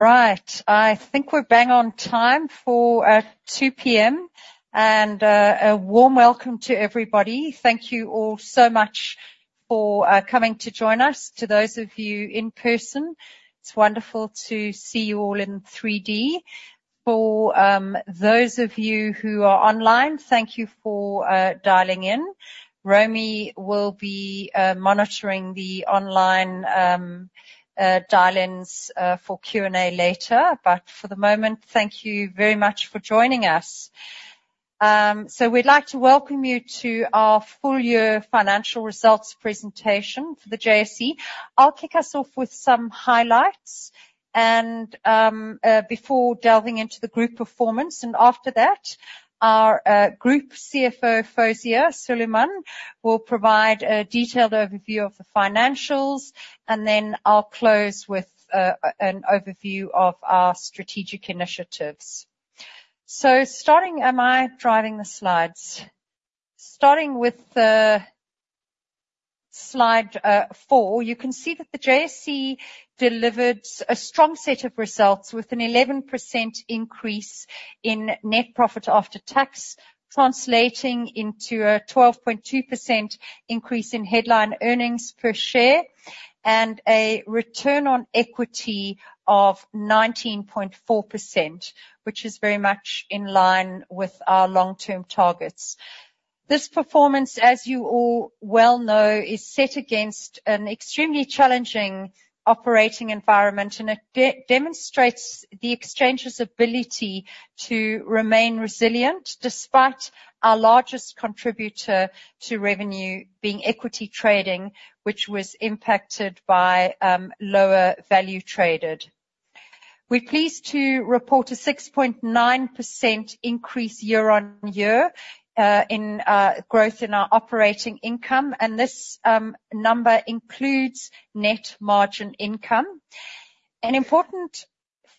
Right, I think we're bang on time for 2:00 P.M., and a warm welcome to everybody. Thank you all so much for coming to join us. To those of you in person, it's wonderful to see you all in 3D. For those of you who are online, thank you for dialing in. Romy will be monitoring the online dial-ins for Q&A later, but for the moment, thank you very much for joining us. So we'd like to welcome you to our full year financial results presentation for the JSE. I'll kick us off with some highlights, and before delving into the group performance, and after that, our Group CFO, Fawzia Suliman, will provide a detailed overview of the financials, and then I'll close with an overview of our strategic initiatives. So starting... Am I driving the slides? Starting with the slide four, you can see that the JSE delivered a strong set of results with an 11% increase in net profit after tax, translating into a 12.2% increase in headline earnings per share, and a return on equity of 19.4%, which is very much in line with our long-term targets. This performance, as you all well know, is set against an extremely challenging operating environment, and it demonstrates the exchange's ability to remain resilient, despite our largest contributor to revenue being equity trading, which was impacted by lower value traded. We're pleased to report a 6.9% increase year-on-year in growth in our operating income, and this number includes net margin income. An important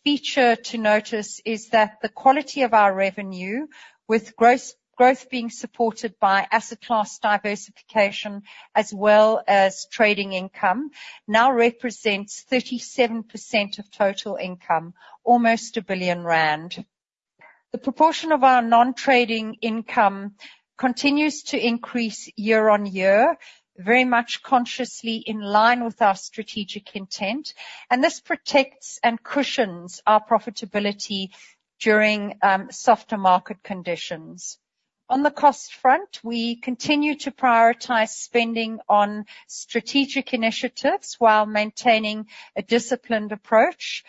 feature to notice is that the quality of our revenue, with gross growth being supported by asset class diversification, as well as trading income, now represents 37% of total income, almost 1 billion rand. The proportion of our non-trading income continues to increase year-on-year, very much consciously in line with our strategic intent, and this protects and cushions our profitability during softer market conditions. On the cost front, we continue to prioritize spending on strategic initiatives while maintaining a disciplined approach,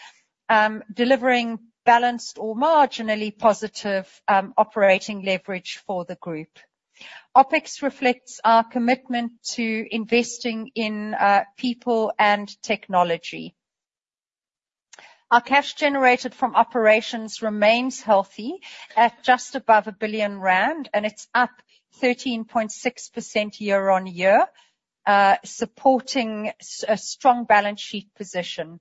delivering balanced or marginally positive operating leverage for the group. OpEx reflects our commitment to investing in people and technology. Our cash generated from operations remains healthy at just above 1 billion rand, and it's up 13.6% year-on-year, supporting a strong balance sheet position.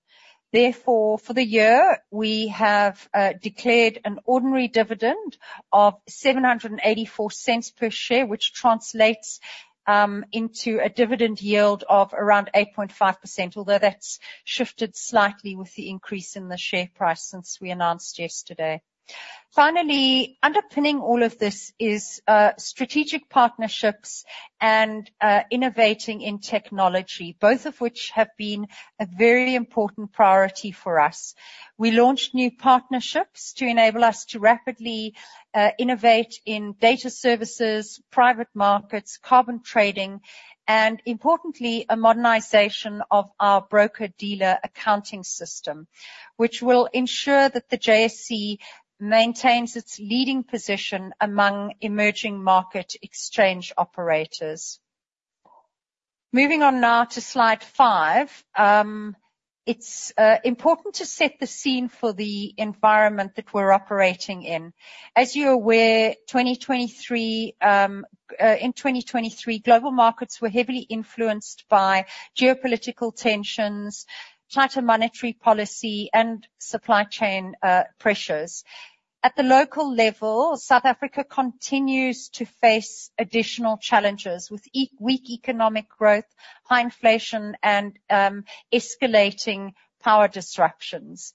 Therefore, for the year, we have declared an ordinary dividend of 7.84 per share, which translates into a dividend yield of around 8.5%, although that's shifted slightly with the increase in the share price since we announced yesterday. Finally, underpinning all of this is strategic partnerships and innovating in technology, both of which have been a very important priority for us. We launched new partnerships to enable us to rapidly innovate in data services, private markets, carbon trading, and importantly, a modernization of our broker-dealer accounting system, which will ensure that the JSE maintains its leading position among emerging market exchange operators. Moving on now to slide 5. It's important to set the scene for the environment that we're operating in. As you're aware, 2023, in 2023, global markets were heavily influenced by geopolitical tensions, tighter monetary policy, and supply chain pressures. At the local level, South Africa continues to face additional challenges, with weak economic growth, high inflation, and escalating power disruptions.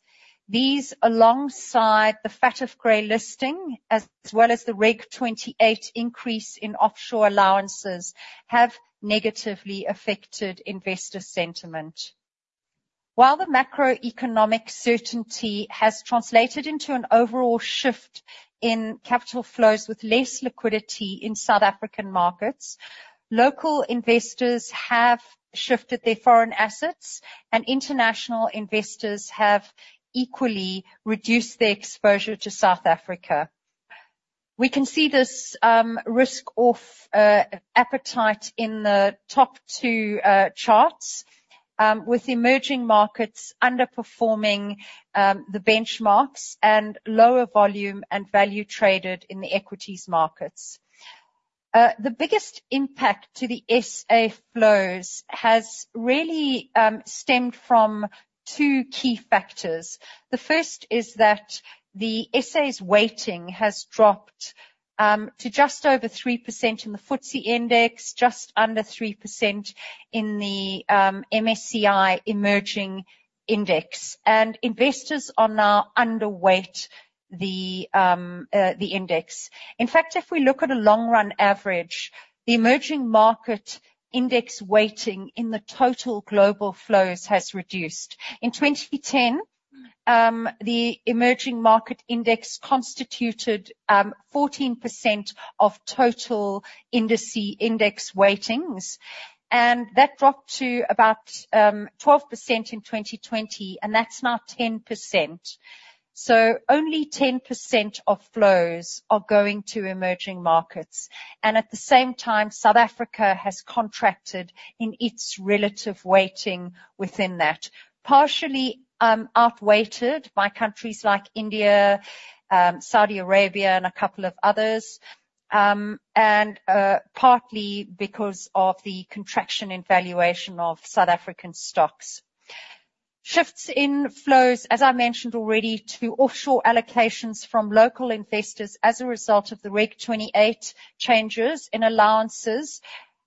These, alongside the FATF gray listing, as well as the Reg 28 increase in offshore allowances, have negatively affected investor sentiment. While the macroeconomic certainty has translated into an overall shift in capital flows with less liquidity in South African markets, local investors have shifted their foreign assets, and international investors have equally reduced their exposure to South Africa. We can see this risk-off appetite in the top two charts with emerging markets underperforming the benchmarks and lower volume and value traded in the equities markets. The biggest impact to the SA flows has really stemmed from two key factors. The first is that the SA's weighting has dropped to just over 3% in the FTSE index, just under 3% in the MSCI emerging index. Investors are now underweight the index. In fact, if we look at a long-run average, the emerging market index weighting in the total global flows has reduced. In 2010, the emerging market index constituted 14% of total industry index weightings, and that dropped to about 12% in 2020, and that's now 10%. So only 10% of flows are going to emerging markets, and at the same time, South Africa has contracted in its relative weighting within that. Partially, outweighed by countries like India, Saudi Arabia, and a couple of others, and partly because of the contraction in valuation of South African stocks. Shifts in flows, as I mentioned already, to offshore allocations from local investors as a result of the Reg 28 changes in allowances,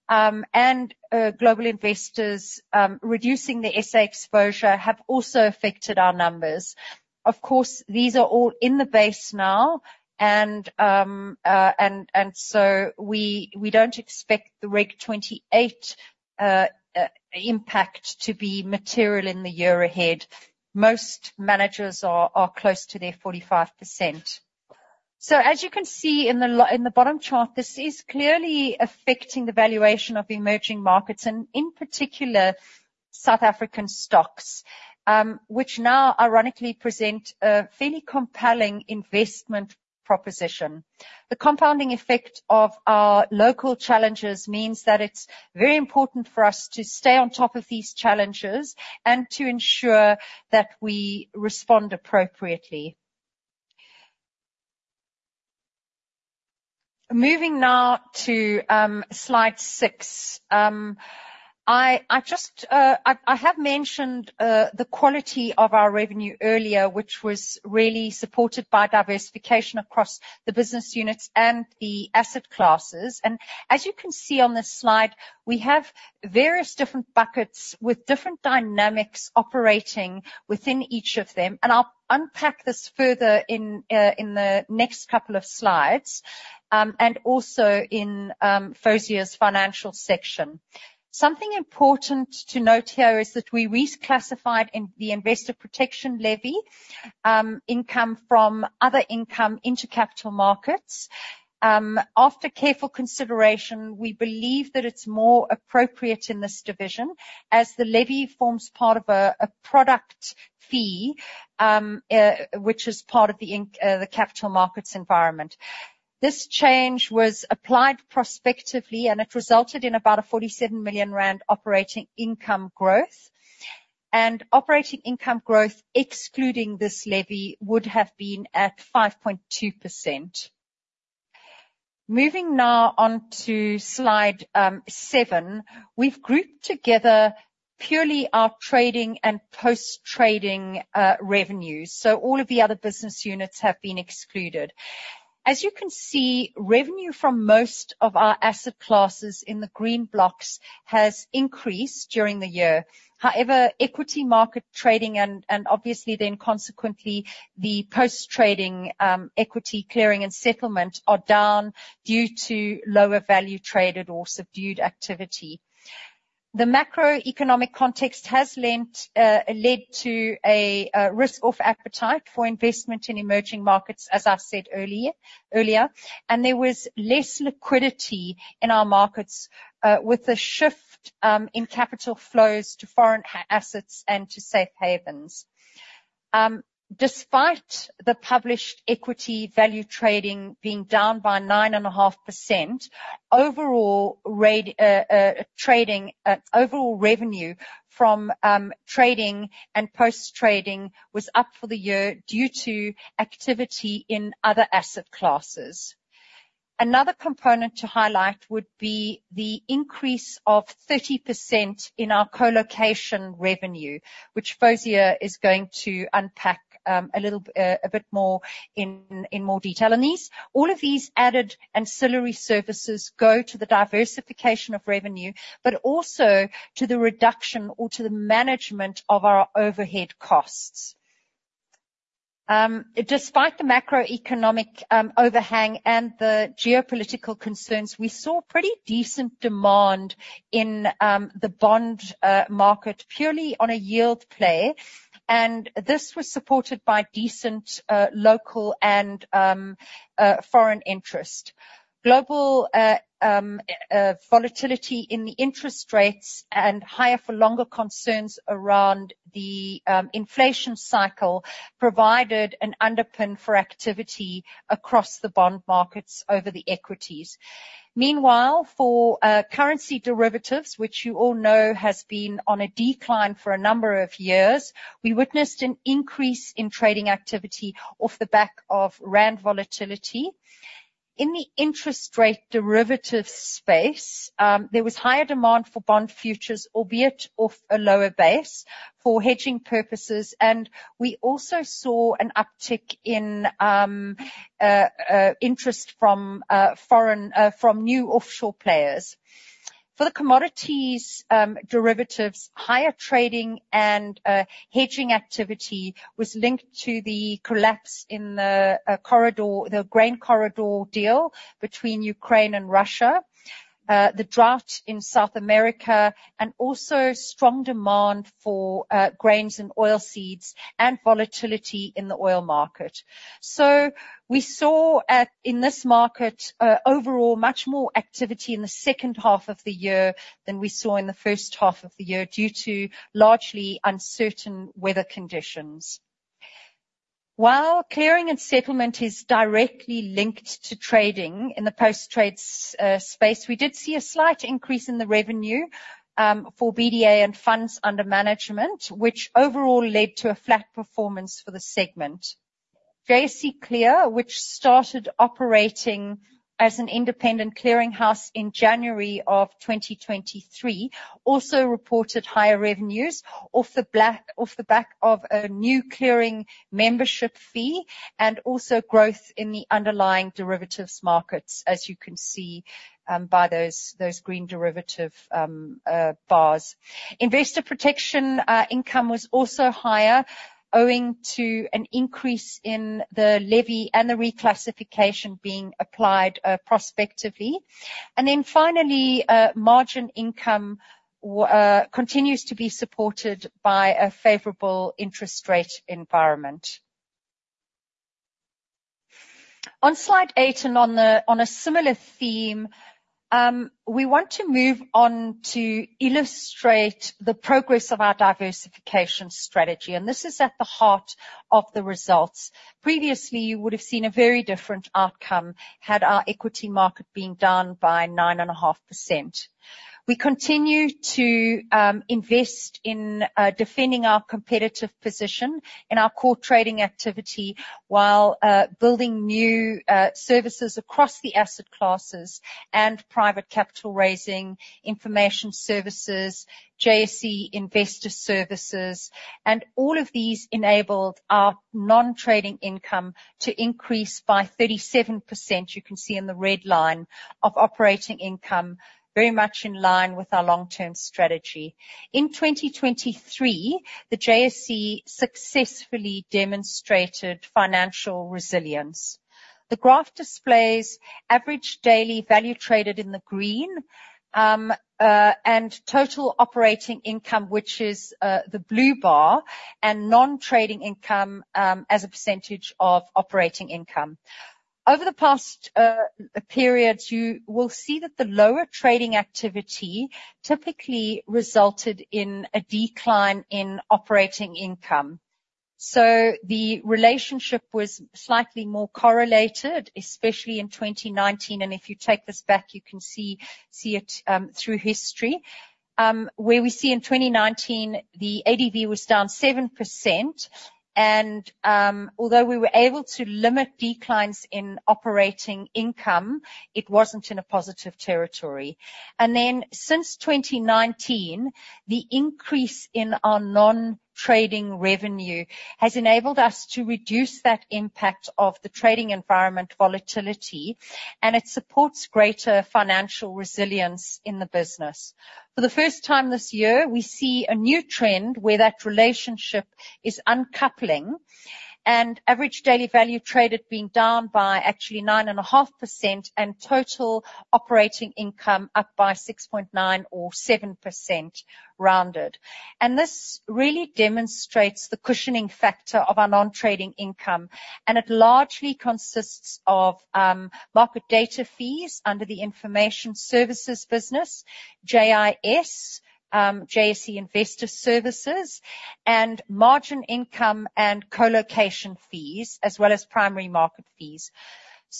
and global investors reducing their SA exposure, have also affected our numbers. Of course, these are all in the base now, and so we don't expect the Reg 28 impact to be material in the year ahead. Most managers are close to their 45%. As you can see in the bottom chart, this is clearly affecting the valuation of emerging markets, and in particular, South African stocks, which now ironically present a fairly compelling investment proposition. The compounding effect of our local challenges means that it's very important for us to stay on top of these challenges and to ensure that we respond appropriately. Moving now to slide six. I just have mentioned the quality of our revenue earlier, which was really supported by diversification across the business units and the asset classes. As you can see on this slide, we have various different buckets with different dynamics operating within each of them, and I'll unpack this further in the next couple of slides, and also in Fawzia's financial section. Something important to note here is that we reclassified in the investor protection levy income from other income into capital markets. After careful consideration, we believe that it's more appropriate in this division, as the levy forms part of a product fee, which is part of the capital markets environment. This change was applied prospectively, and it resulted in about a 47 million rand operating income growth. Operating income growth, excluding this levy, would have been at 5.2%. Moving now on to slide 7. We've grouped together purely our trading and post-trading revenues, so all of the other business units have been excluded. As you can see, revenue from most of our asset classes in the green blocks has increased during the year. However, equity market trading and obviously then consequently, the post-trading, equity clearing and settlement are down due to lower value traded or subdued activity. The macroeconomic context has led to a risk-off appetite for investment in emerging markets, as I said earlier, and there was less liquidity in our markets, with the shift in capital flows to foreign assets and to safe havens. Despite the published equity value trading being down by 9.5%, overall trading, overall revenue from trading and post-trading was up for the year due to activity in other asset classes. Another component to highlight would be the increase of 30% in our colocation revenue, which Faizer is going to unpack a little, a bit more in more detail. And these, all of these added ancillary services go to the diversification of revenue, but also to the reduction or to the management of our overhead costs. Despite the macroeconomic overhang and the geopolitical concerns, we saw pretty decent demand in the bond market, purely on a yield play, and this was supported by decent local and foreign interest. Global volatility in the interest rates and higher for longer concerns around the inflation cycle provided an underpin for activity across the bond markets over the equities. For currency derivatives, which you all know has been on a decline for a number of years. We witnessed an increase in trading activity off the back of rand volatility. In the interest rate derivative space, there was higher demand for bond futures, albeit off a lower base, for hedging purposes, and we also saw an uptick in interest from new offshore players. For the commodities derivatives, higher trading and hedging activity was linked to the collapse in the corridor, the grain corridor deal between Ukraine and Russia, the drought in South America, and also strong demand for grains and oilseeds and volatility in the oil market. So we saw in this market overall much more activity in the second half of the year than we saw in the first half of the year, due to largely uncertain weather conditions. While clearing and settlement is directly linked to trading in the post-trade space, we did see a slight increase in the revenue for BDA and funds under management, which overall led to a flat performance for the segment. JSE Clear, which started operating as an independent clearinghouse in January 2023, also reported higher revenues off the back of a new clearing membership fee, and also growth in the underlying derivatives markets, as you can see by those green derivative bars. Investor protection income was also higher, owing to an increase in the levy and the reclassification being applied prospectively. Finally, margin income continues to be supported by a favorable interest rate environment. On slide eight, and on a similar theme, we want to move on to illustrate the progress of our diversification strategy, and this is at the heart of the results. Previously, you would have seen a very different outcome had our equity market been down by 9.5%. We continue to invest in defending our competitive position in our core trading activity, while building new services across the asset classes and private capital raising, information services, JSE Investor Services. And all of these enabled our non-trading income to increase by 37%, you can see in the red line of operating income, very much in line with our long-term strategy. In 2023, the JSE successfully demonstrated financial resilience. The graph displays average daily value traded in the green, and total operating income, which is, the blue bar, and non-trading income, as a percentage of operating income. Over the past period, you will see that the lower trading activity typically resulted in a decline in operating income. So the relationship was slightly more correlated, especially in 2019, and if you take this back, you can see it through history. Where we see in 2019, the ADV was down 7%, and, although we were able to limit declines in operating income, it wasn't in a positive territory. And then, since 2019, the increase in our non-trading revenue has enabled us to reduce that impact of the trading environment volatility, and it supports greater financial resilience in the business. For the first time this year, we see a new trend where that relationship is uncoupling, and average daily value traded being down by actually 9.5%, and total operating income up by 6.9%-7%, rounded. This really demonstrates the cushioning factor of our non-trading income, and it largely consists of market data fees under the information services business, JIS, JSE Investor Services, and margin income and colocation fees, as well as primary market fees.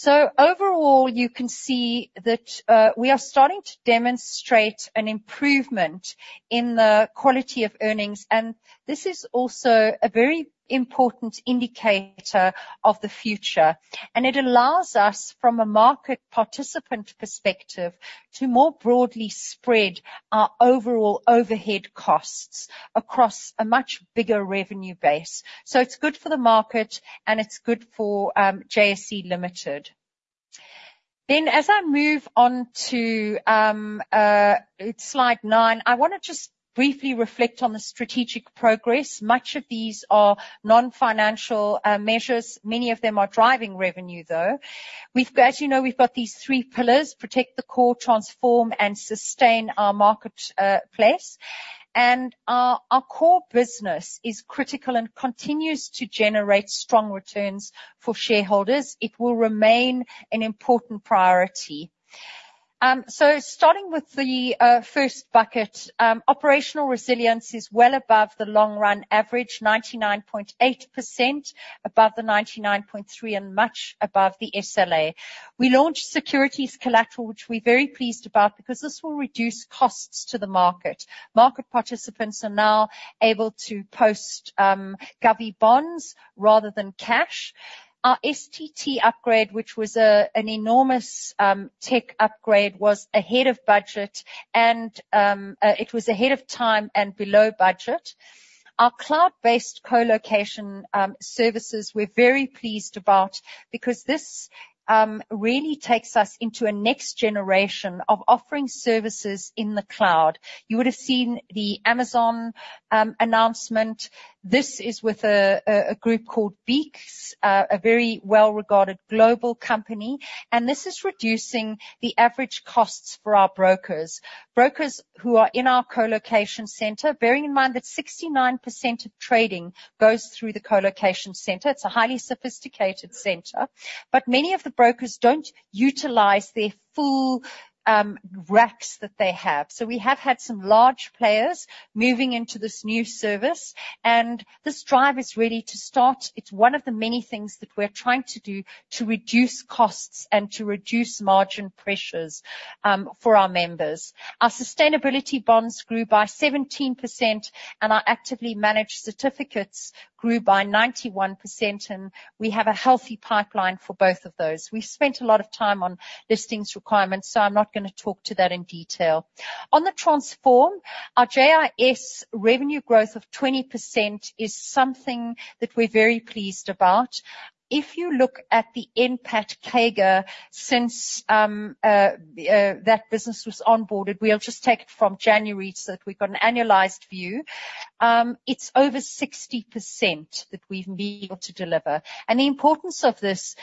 Overall, you can see that we are starting to demonstrate an improvement in the quality of earnings, and this is also a very important indicator of the future. It allows us, from a market participant perspective, to more broadly spread our overall overhead costs across a much bigger revenue base. So it's good for the market, and it's good for JSE Limited. Then, as I move on to slide 9, I wanna just briefly reflect on the strategic progress. Much of these are non-financial measures. Many of them are driving revenue, though. As you know, we've got these three pillars: protect the core, transform, and sustain our marketplace. Our core business is critical and continues to generate strong returns for shareholders. It will remain an important priority. So starting with the first bucket, operational resilience is well above the long run average, 99.8%, above the 99.3, and much above the SLA. We launched Securities Collateral, which we're very pleased about, because this will reduce costs to the market. Market participants are now able to post govvy bonds rather than cash. Our STT upgrade, which was an enormous tech upgrade, was ahead of budget and it was ahead of time and below budget. Our cloud-based colocation services, we're very pleased about, because this really takes us into a next generation of offering services in the cloud. You would have seen the Amazon announcement. This is with a group called Beeks, a very well-regarded global company, and this is reducing the average costs for our brokers. Brokers who are in our colocation center, bearing in mind that 69% of trading goes through the colocation center. It's a highly sophisticated center, but many of the brokers don't utilize their full racks that they have. So we have had some large players moving into this new service, and this drive is ready to start. It's one of the many things that we're trying to do to reduce costs and to reduce margin pressures, for our members. Our sustainability bonds grew by 17%, and our actively managed certificates grew by 91%, and we have a healthy pipeline for both of those. We spent a lot of time on listings requirements, so I'm not gonna talk to that in detail. On the transform, our JIS revenue growth of 20% is something that we're very pleased about. If you look at the NPAT CAGR since that business was onboarded, we'll just take it from January so that we've got an annualized view, it's over 60% that we've been able to deliver. The importance of this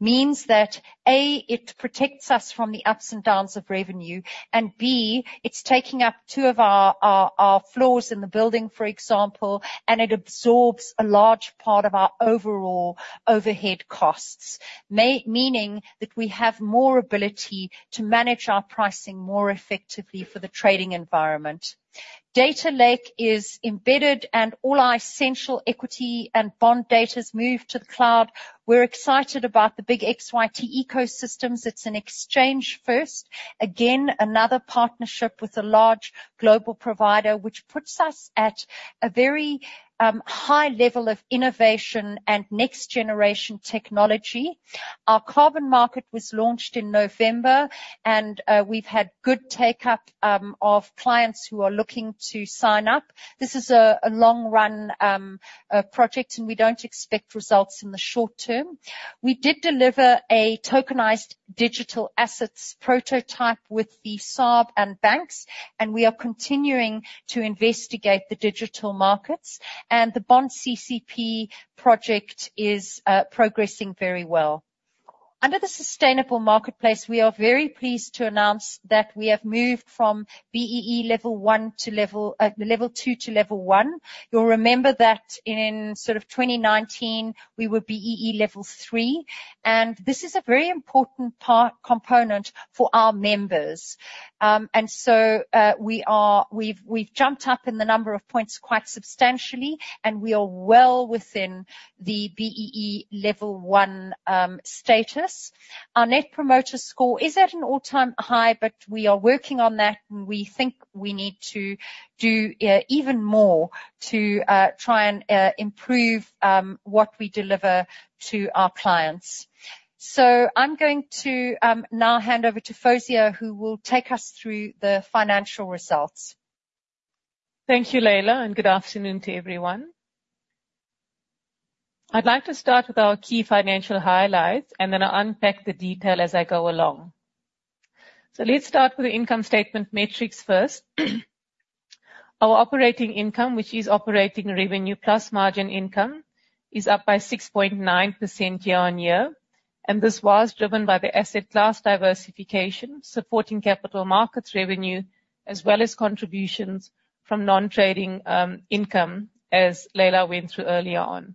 means that, A, it protects us from the ups and downs of revenue, and B, it's taking up 2 of our floors in the building, for example, and it absorbs a large part of our overall overhead costs, meaning that we have more ability to manage our pricing more effectively for the trading environment. Data lake is embedded, and all our essential equity and bond data has moved to the cloud. We're excited about the Big XYT ecosystems. It's an exchange first. Again, another partnership with a large global provider, which puts us at a very high level of innovation and next-generation technology. Our carbon market was launched in November, and we've had good take-up of clients who are looking to sign up. This is a long-run project, and we don't expect results in the short term. We did deliver a tokenized digital assets prototype with the SARB and banks, and we are continuing to investigate the digital markets, and the bond CCP project is progressing very well. Under the sustainable marketplace, we are very pleased to announce that we have moved from BEE level one to level... level two to level one. You'll remember that in sort of 2019, we were BEE level three, and this is a very important part, component for our members. And so, we've jumped up in the number of points quite substantially, and we are well within the BEE level one status. Our net promoter score is at an all-time high, but we are working on that, and we think we need to do even more to try and improve what we deliver to our clients. So I'm going to now hand over to Fawzia, who will take us through the financial results. Thank you, Leila, and good afternoon to everyone. I'd like to start with our key financial highlights, and then I'll unpack the detail as I go along. Let's start with the income statement metrics first. Our operating income, which is operating revenue plus margin income, is up by 6.9% year-on-year, and this was driven by the asset class diversification, supporting capital markets revenue, as well as contributions from non-trading income, as Leila went through earlier on.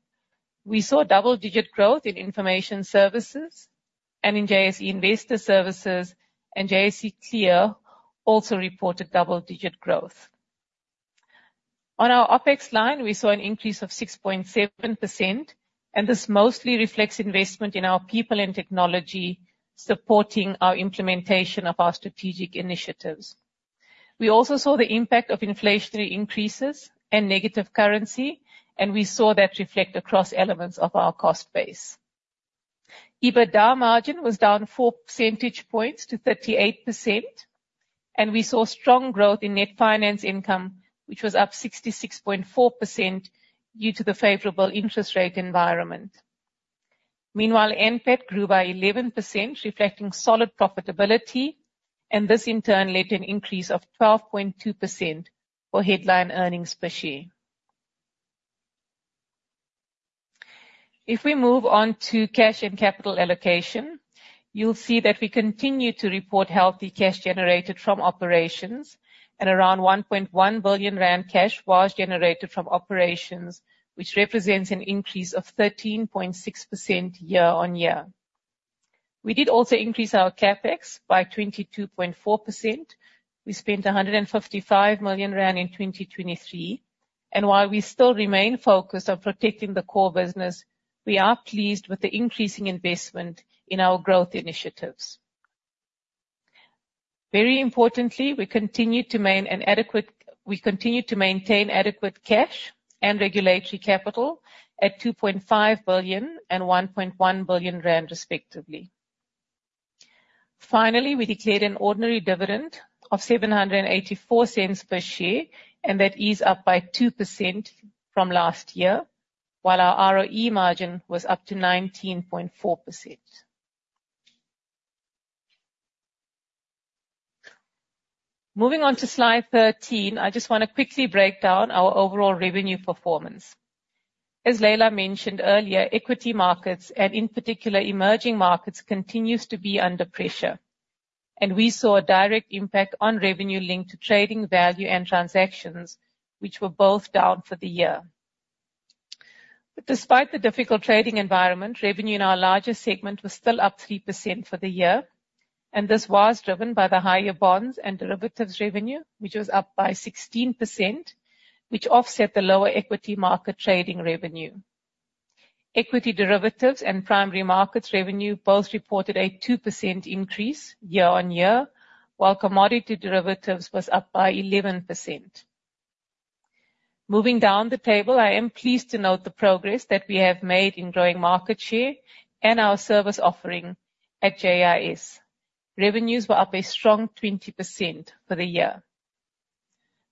We saw double-digit growth in information services and in JSE Investor Services, and JSE Clear also reported double-digit growth. On our OpEx line, we saw an increase of 6.7%, and this mostly reflects investment in our people and technology, supporting our implementation of our strategic initiatives. We also saw the impact of inflationary increases and negative currency, and we saw that reflect across elements of our cost base. EBITDA margin was down 4 percentage points to 38%, and we saw strong growth in net finance income, which was up 66.4% due to the favorable interest rate environment. Meanwhile, NPAT grew by 11%, reflecting solid profitability, and this in turn led to an increase of 12.2% for headline earnings per share. If we move on to cash and capital allocation, you'll see that we continue to report healthy cash generated from operations, and around 1.1 billion rand cash was generated from operations, which represents an increase of 13.6% year-on-year. We did also increase our CapEx by 22.4%. We spent ZAR 155 million in 2023, and while we still remain focused on protecting the core business, we are pleased with the increasing investment in our growth initiatives. Very importantly, we continue to maintain adequate cash and regulatory capital at 2.5 billion and 1.1 billion rand, respectively. Finally, we declared an ordinary dividend of 7.84 per share, and that is up by 2% from last year, while our ROE margin was up to 19.4%. Moving on to slide 13, I just want to quickly break down our overall revenue performance. As Leila mentioned earlier, equity markets, and in particular, emerging markets, continues to be under pressure, and we saw a direct impact on revenue linked to trading value and transactions, which were both down for the year. But despite the difficult trading environment, revenue in our largest segment was still up 3% for the year, and this was driven by the higher bonds and derivatives revenue, which was up by 16%, which offset the lower equity market trading revenue. Equity derivatives and primary markets revenue both reported a 2% increase year-on-year, while commodity derivatives was up by 11%. Moving down the table, I am pleased to note the progress that we have made in growing market share and our service offering at JIS. Revenues were up a strong 20% for the year.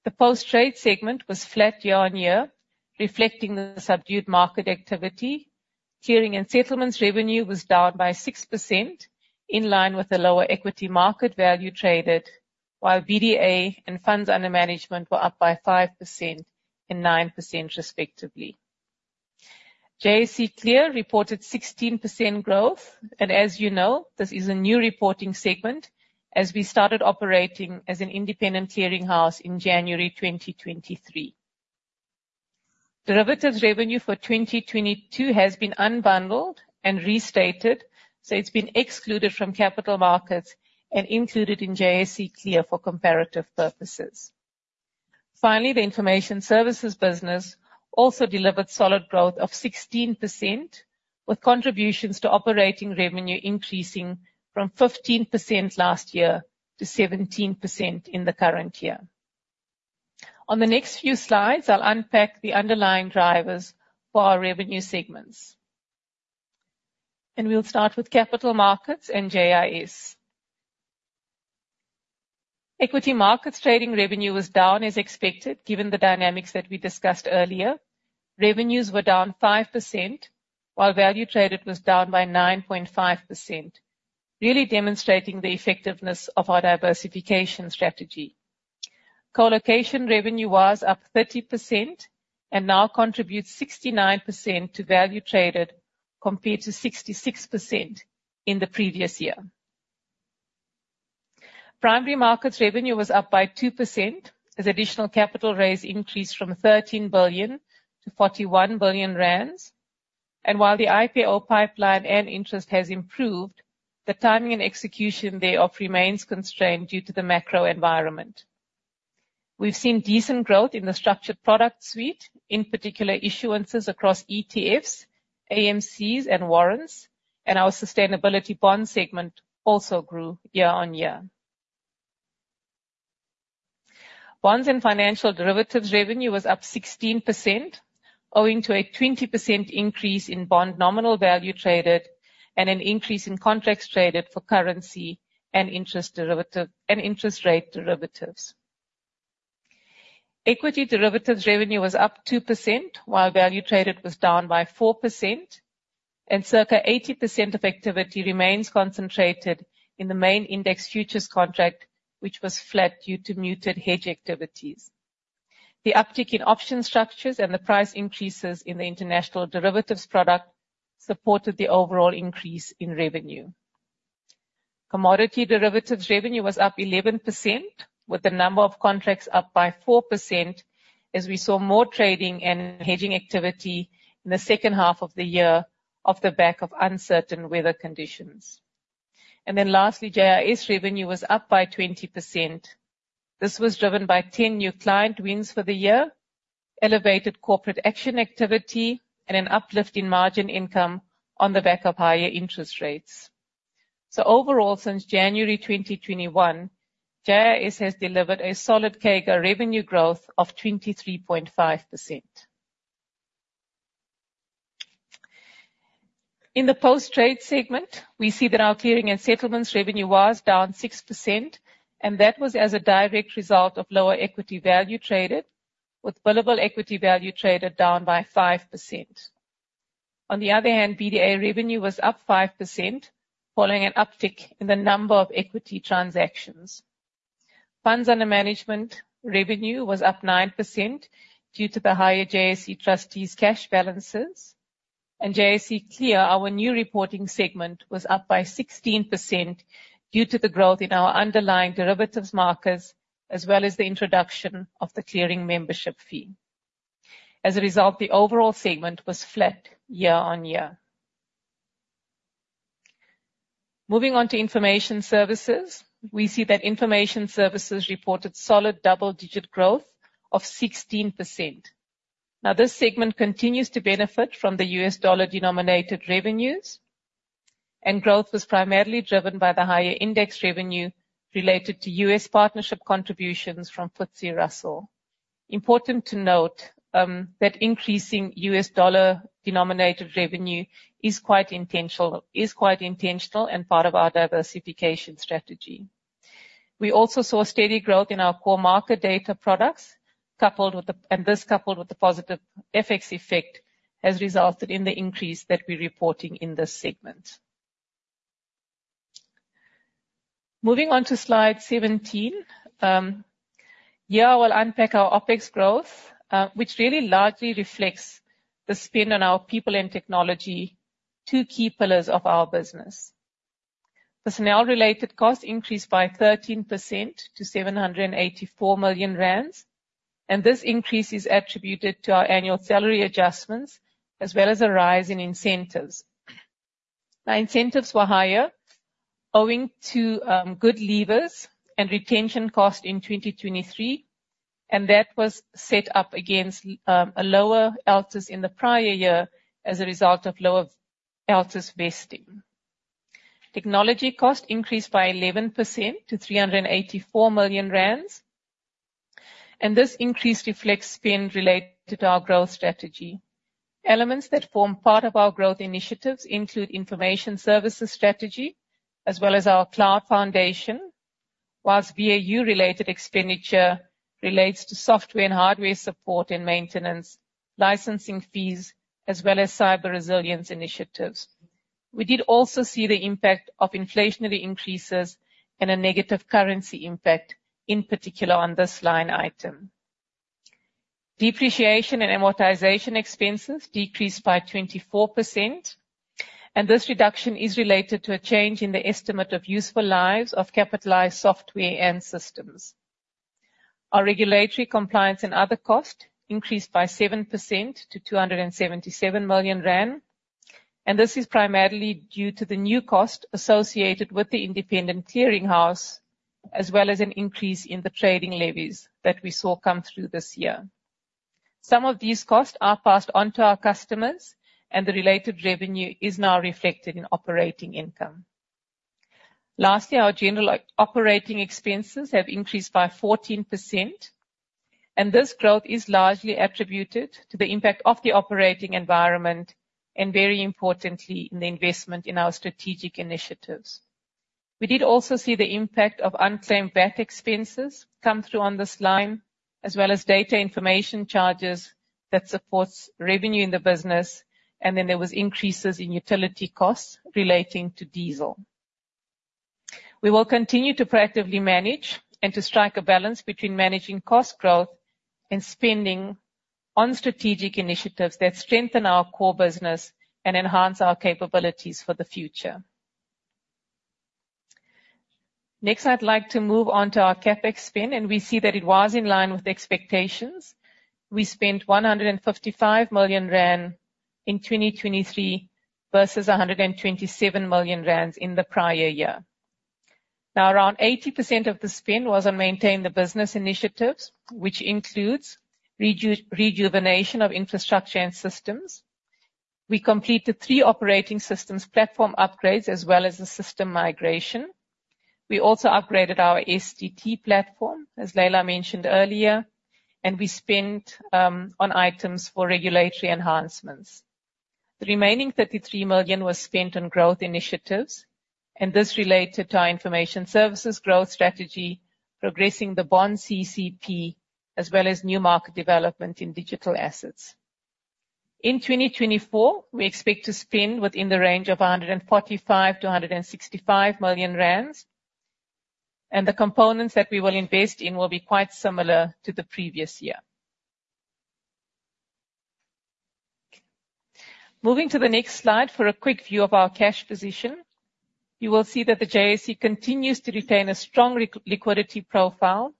The post-trade segment was flat year-on-year, reflecting the subdued market activity. Clearing and settlements revenue was down by 6%, in line with the lower equity market value traded, while BDA and funds under management were up by 5% and 9%, respectively. JSE Clear reported 16% growth, and as you know, this is a new reporting segment, as we started operating as an independent clearing house in January 2023. Derivatives revenue for 2022 has been unbundled and restated, so it's been excluded from capital markets and included in JSE Clear for comparative purposes. Finally, the information services business also delivered solid growth of 16%, with contributions to operating revenue increasing from 15% last year to 17% in the current year. On the next few slides, I'll unpack the underlying drivers for our revenue segments. We'll start with capital markets and JIS. Equity markets trading revenue was down as expected, given the dynamics that we discussed earlier. Revenues were down 5%, while value traded was down by 9.5%, really demonstrating the effectiveness of our diversification strategy. Colocation revenue was up 30% and now contributes 69% to value traded, compared to 66% in the previous year. Primary markets revenue was up by 2%, as additional capital raised increased from 13 billion to 41 billion rand. And while the IPO pipeline and interest has improved, the timing and execution thereof remains constrained due to the macro environment. We've seen decent growth in the structured product suite, in particular, issuances across ETFs, AMCs, and warrants, and our sustainability bond segment also grew year-on-year. Bonds and financial derivatives revenue was up 16%, owing to a 20% increase in bond nominal value traded and an increase in contracts traded for currency and interest rate derivatives. Equity derivatives revenue was up 2%, while value traded was down by 4%, and circa 80% of activity remains concentrated in the main index futures contract, which was flat due to muted hedge activities. The uptick in option structures and the price increases in the international derivatives product supported the overall increase in revenue. Commodity derivatives revenue was up 11%, with the number of contracts up by 4%, as we saw more trading and hedging activity in the second half of the year off the back of uncertain weather conditions. And then lastly, JIS revenue was up by 20%. This was driven by 10 new client wins for the year, elevated corporate action activity, and an uplift in margin income on the back of higher interest rates. So overall, since January 2021, JIS has delivered a solid CAGR revenue growth of 23.5%. In the post-trade segment, we see that our clearing and settlements revenue was down 6%, and that was as a direct result of lower equity value traded, with billable equity value traded down by 5%. On the other hand, BDA revenue was up 5%, following an uptick in the number of equity transactions. Funds under management revenue was up 9% due to the higher JSE Trustees' cash balances, and JSE Clear, our new reporting segment, was up by 16% due to the growth in our underlying derivatives markets, as well as the introduction of the clearing membership fee. As a result, the overall segment was flat year-on-year. Moving on to information services, we see that information services reported solid double-digit growth of 16%. Now, this segment continues to benefit from the US dollar-denominated revenues, and growth was primarily driven by the higher index revenue related to US partnership contributions from FTSE Russell. Important to note that increasing US dollar-denominated revenue is quite intentional and part of our diversification strategy. We also saw steady growth in our core market data products, and this, coupled with the positive FX effect, has resulted in the increase that we're reporting in this segment. Moving on to Slide 17, here, I will unpack our OpEx growth, which really largely reflects the spend on our people and technology, two key pillars of our business. Personnel-related costs increased by 13% to 784 million rand, and this increase is attributed to our annual salary adjustments, as well as a rise in incentives. Our incentives were higher, owing to good leavers and retention cost in 2023, and that was set up against a lower LTES in the prior year as a result of lower LTES vesting. Technology cost increased by 11% to 384 million rand, and this increase reflects spend related to our growth strategy. Elements that form part of our growth initiatives include information services strategy, as well as our cloud foundation, while BAU-related expenditure relates to software and hardware support and maintenance, licensing fees, as well as cyber resilience initiatives. We did also see the impact of inflationary increases and a negative currency impact, in particular on this line item. Depreciation and amortization expenses decreased by 24%, and this reduction is related to a change in the estimate of useful lives of capitalized software and systems. Our regulatory compliance and other costs increased by 7% to 277 million rand, and this is primarily due to the new cost associated with the independent clearing house, as well as an increase in the trading levies that we saw come through this year. Some of these costs are passed on to our customers, and the related revenue is now reflected in operating income. Lastly, our general operating expenses have increased by 14%, and this growth is largely attributed to the impact of the operating environment and, very importantly, in the investment in our strategic initiatives. We did also see the impact of unclaimed VAT expenses come through on this line, as well as data information charges that supports revenue in the business, and then there was increases in utility costs relating to diesel. We will continue to proactively manage and to strike a balance between managing cost growth and spending on strategic initiatives that strengthen our core business and enhance our capabilities for the future. Next, I'd like to move on to our CapEx spend, and we see that it was in line with the expectations. We spent 155 million rand in 2023 versus 127 million rand in the prior year. Now, around 80% of the spend was on maintaining the business initiatives, which includes rejuvenation of infrastructure and systems. We completed three operating systems platform upgrades as well as the system migration. We also upgraded our STT platform, as Leila mentioned earlier, and we spent on items for regulatory enhancements. The remaining 33 million was spent on growth initiatives, and this related to our information services growth strategy, progressing the bond CCP, as well as new market development in digital assets. In 2024, we expect to spend within the range of 145 million-165 million rand, and the components that we will invest in will be quite similar to the previous year. Moving to the next slide for a quick view of our cash position, you will see that the JSE continues to retain a strong liquidity profile,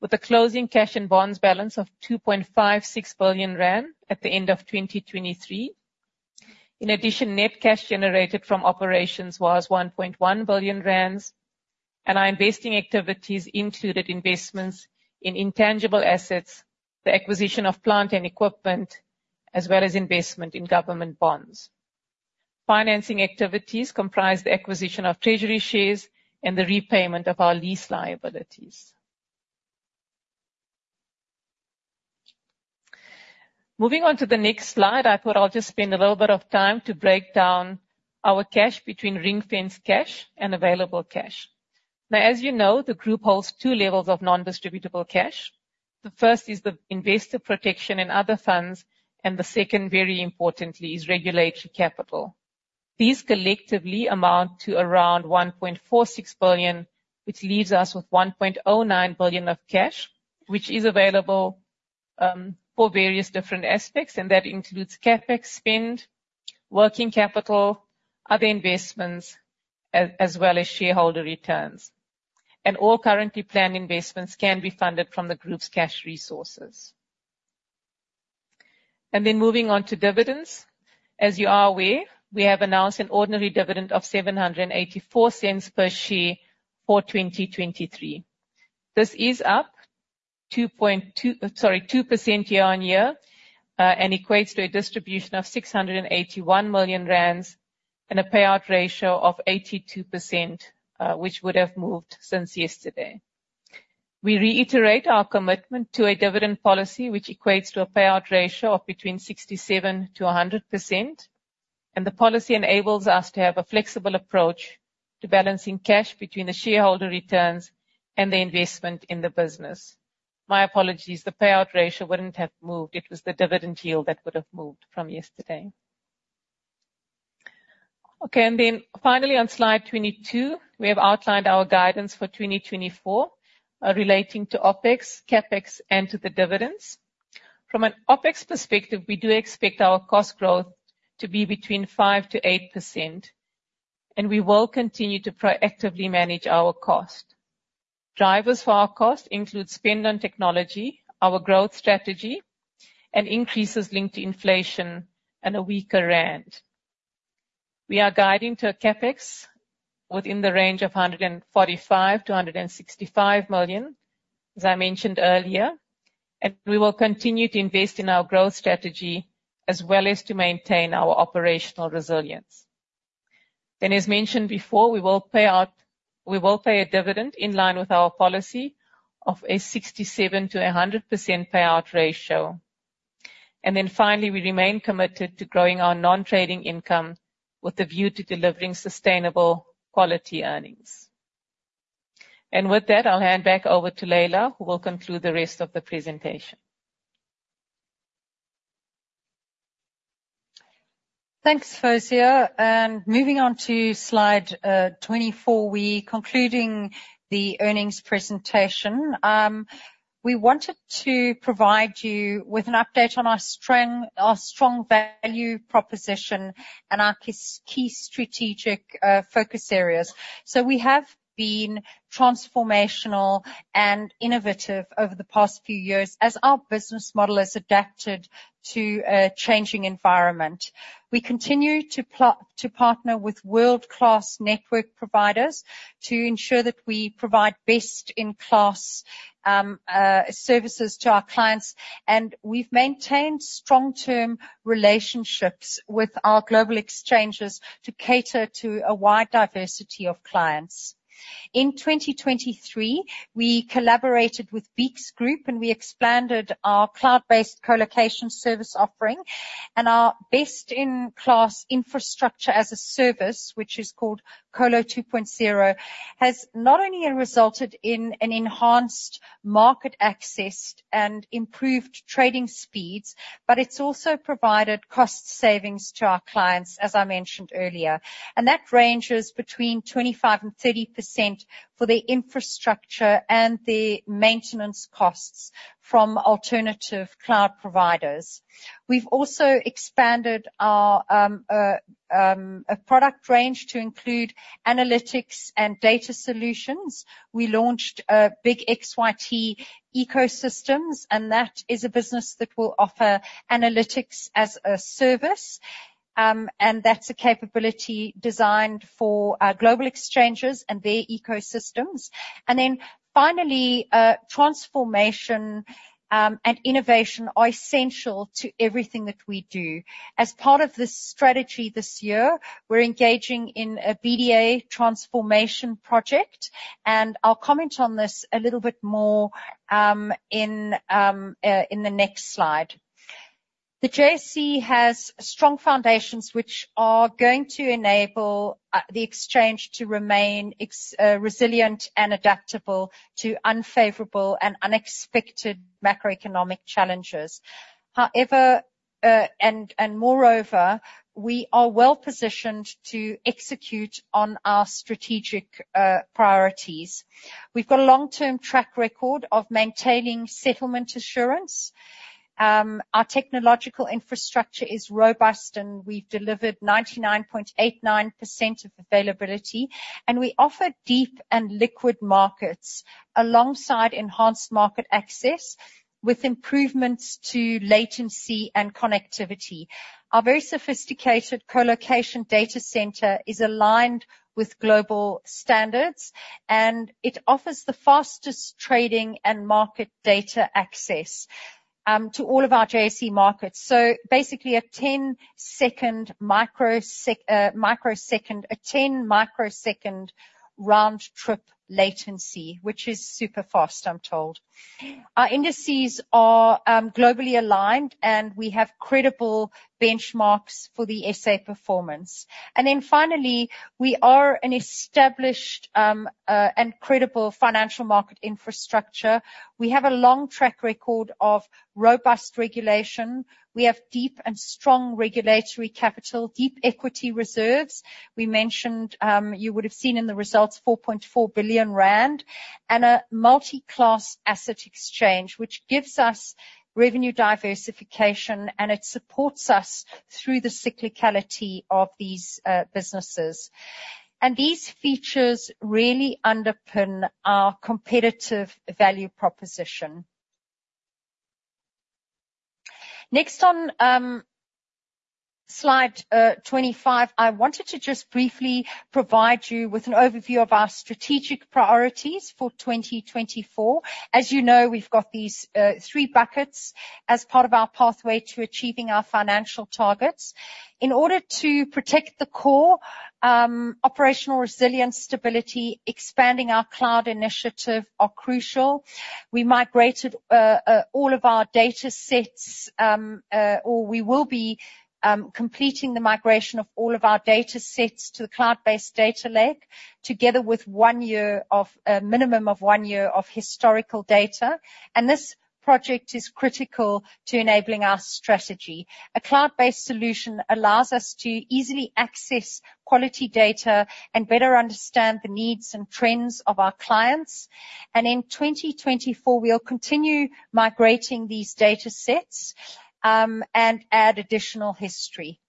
with a closing cash and bonds balance of 2.56 billion rand at the end of 2023. In addition, net cash generated from operations was 1.1 billion rand, and our investing activities included investments in intangible assets, the acquisition of plant and equipment, as well as investment in government bonds. Financing activities comprised the acquisition of treasury shares and the repayment of our lease liabilities. Moving on to the next slide, I thought I'll just spend a little bit of time to break down our cash between ring-fenced cash and available cash. Now, as you know, the group holds two levels of non-distributable cash. The first is the investor protection and other funds, and the second, very importantly, is regulatory capital. These collectively amount to around 1.46 billion, which leaves us with 1.09 billion of cash, which is available, for various different aspects, and that includes CapEx spend working capital, other investments, as well as shareholder returns. All currently planned investments can be funded from the group's cash resources. Then moving on to dividends. As you are aware, we have announced an ordinary dividend of 7.84 per share for 2023. This is up 2.2, sorry, 2% year-on-year, and equates to a distribution of 681 million rand and a payout ratio of 82%, which would have moved since yesterday. We reiterate our commitment to a dividend policy, which equates to a payout ratio of between 67%-100%, and the policy enables us to have a flexible approach to balancing cash between the shareholder returns and the investment in the business. My apologies, the payout ratio wouldn't have moved. It was the dividend yield that would have moved from yesterday. Okay, and then finally, on slide 22, we have outlined our guidance for 2024 relating to OpEx, CapEx, and to the dividends. From an OpEx perspective, we do expect our cost growth to be between 5%-8%, and we will continue to proactively manage our cost. Drivers for our cost include spend on technology, our growth strategy, and increases linked to inflation and a weaker rand. We are guiding to a CapEx within the range of 145-165 million, as I mentioned earlier, and we will continue to invest in our growth strategy as well as to maintain our operational resilience. Then, as mentioned before, we will pay a dividend in line with our policy of a 67%-100% payout ratio. Then finally, we remain committed to growing our non-trading income with a view to delivering sustainable quality earnings. And with that, I'll hand back over to Leila, who will conclude the rest of the presentation. Thanks, Fawzia. Moving on to slide 24, we concluding the earnings presentation. We wanted to provide you with an update on our strong value proposition and our key strategic focus areas. So we have been transformational and innovative over the past few years as our business model has adapted to a changing environment. We continue to partner with world-class network providers to ensure that we provide best-in-class services to our clients, and we've maintained long-term relationships with our global exchanges to cater to a wide diversity of clients. In 2023, we collaborated with Beeks Group, and we expanded our cloud-based colocation service offering. And our best-in-class infrastructure as a service, which is called Colo 2.0, has not only resulted in an enhanced market access and improved trading speeds, but it's also provided cost savings to our clients, as I mentioned earlier, and that ranges between 25% and 30% for the infrastructure and the maintenance costs from alternative cloud providers. We've also expanded our product range to include analytics and data solutions. We launched Big XYT ecosystems, and that is a business that will offer analytics as a service, and that's a capability designed for global exchanges and their ecosystems. And then finally, transformation and innovation are essential to everything that we do. As part of this strategy this year, we're engaging in a BDA transformation project, and I'll comment on this a little bit more in the next slide. The JSE has strong foundations which are going to enable the exchange to remain resilient and adaptable to unfavorable and unexpected macroeconomic challenges. However, moreover, we are well-positioned to execute on our strategic priorities. We've got a long-term track record of maintaining settlement assurance. Our technological infrastructure is robust, and we've delivered 99.89% availability, and we offer deep and liquid markets alongside enhanced market access, with improvements to latency and connectivity. Our very sophisticated colocation data center is aligned with global standards, and it offers the fastest trading and market data access to all of our JSE markets. So basically, a 10-microsecond round trip latency, which is super fast, I'm told. Our indices are globally aligned, and we have credible benchmarks for the SA performance. And then finally, we are an established and credible financial market infrastructure. We have a long track record of robust regulation. We have deep and strong regulatory capital, deep equity reserves. We mentioned you would have seen in the results 4.4 billion rand, and a multi-class asset exchange, which gives us revenue diversification, and it supports us through the cyclicality of these businesses. And these features really underpin our competitive value proposition. Next on slide 25, I wanted to just briefly provide you with an overview of our strategic priorities for 2024. As you know, we've got these three buckets as part of our pathway to achieving our financial targets. In order to protect the core, operational resilience, stability, expanding our cloud initiative are crucial. We migrated all of our datasets, or we will be completing the migration of all of our datasets to the cloud-based data lake, together with one year of, a minimum of one year of historical data, and this project is critical to enabling our strategy. A cloud-based solution allows us to easily access quality data and better understand the needs and trends of our clients. And in 2024, we'll continue migrating these datasets, and add additional history.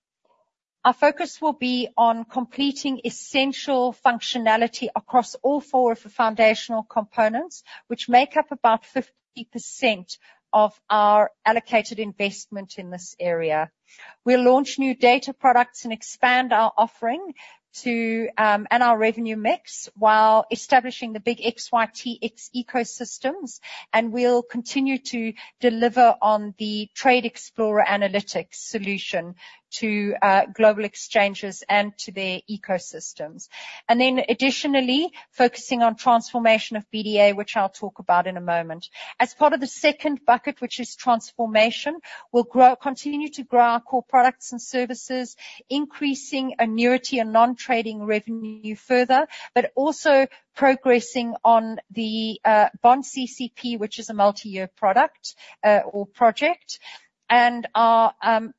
Our focus will be on completing essential functionality across all four of the foundational components, which make up about 50% of our allocated investment in this area. We'll launch new data products and expand our offering to and our revenue mix, while establishing the Big XYT ecosystems, and we'll continue to deliver on the Trade Explorer analytics solution to global exchanges and to their ecosystems. And then additionally, focusing on transformation of BDA, which I'll talk about in a moment. As part of the second bucket, which is transformation, we'll continue to grow our core products and services, increasing annuity and non-trading revenue further, but also progressing on the bond CCP, which is a multi-year product or project. And our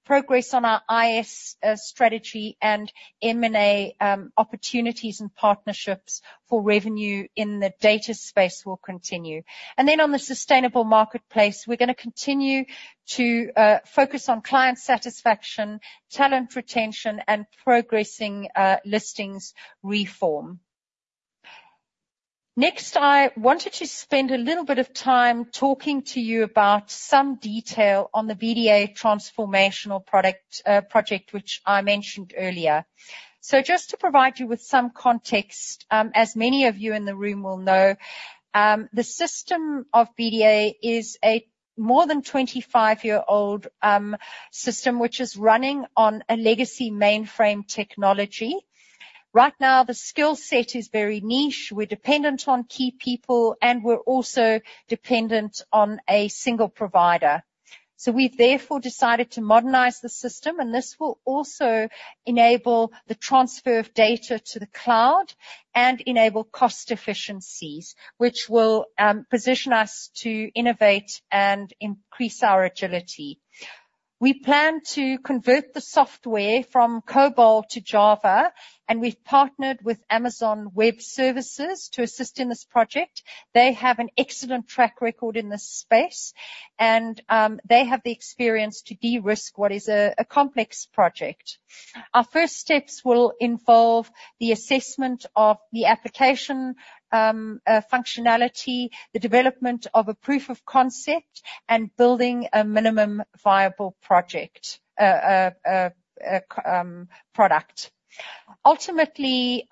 progress on our IS strategy and M&A opportunities and partnerships for revenue in the data space will continue. And then on the sustainable marketplace, we're gonna continue to focus on client satisfaction, talent retention, and progressing listings reform. Next, I wanted to spend a little bit of time talking to you about some detail on the BDA transformational product, project, which I mentioned earlier. So just to provide you with some context, as many of you in the room will know, the system of BDA is a more than 25-year-old, system, which is running on a legacy mainframe technology. Right now, the skill set is very niche. We're dependent on key people, and we're also dependent on a single provider. So we've therefore decided to modernize the system, and this will also enable the transfer of data to the cloud and enable cost efficiencies, which will, position us to innovate and increase our agility. We plan to convert the software from COBOL to Java, and we've partnered with Amazon Web Services to assist in this project. They have an excellent track record in this space, and they have the experience to de-risk what is a complex project. Our first steps will involve the assessment of the application, functionality, the development of a proof of concept, and building a minimum viable project, product. Ultimately,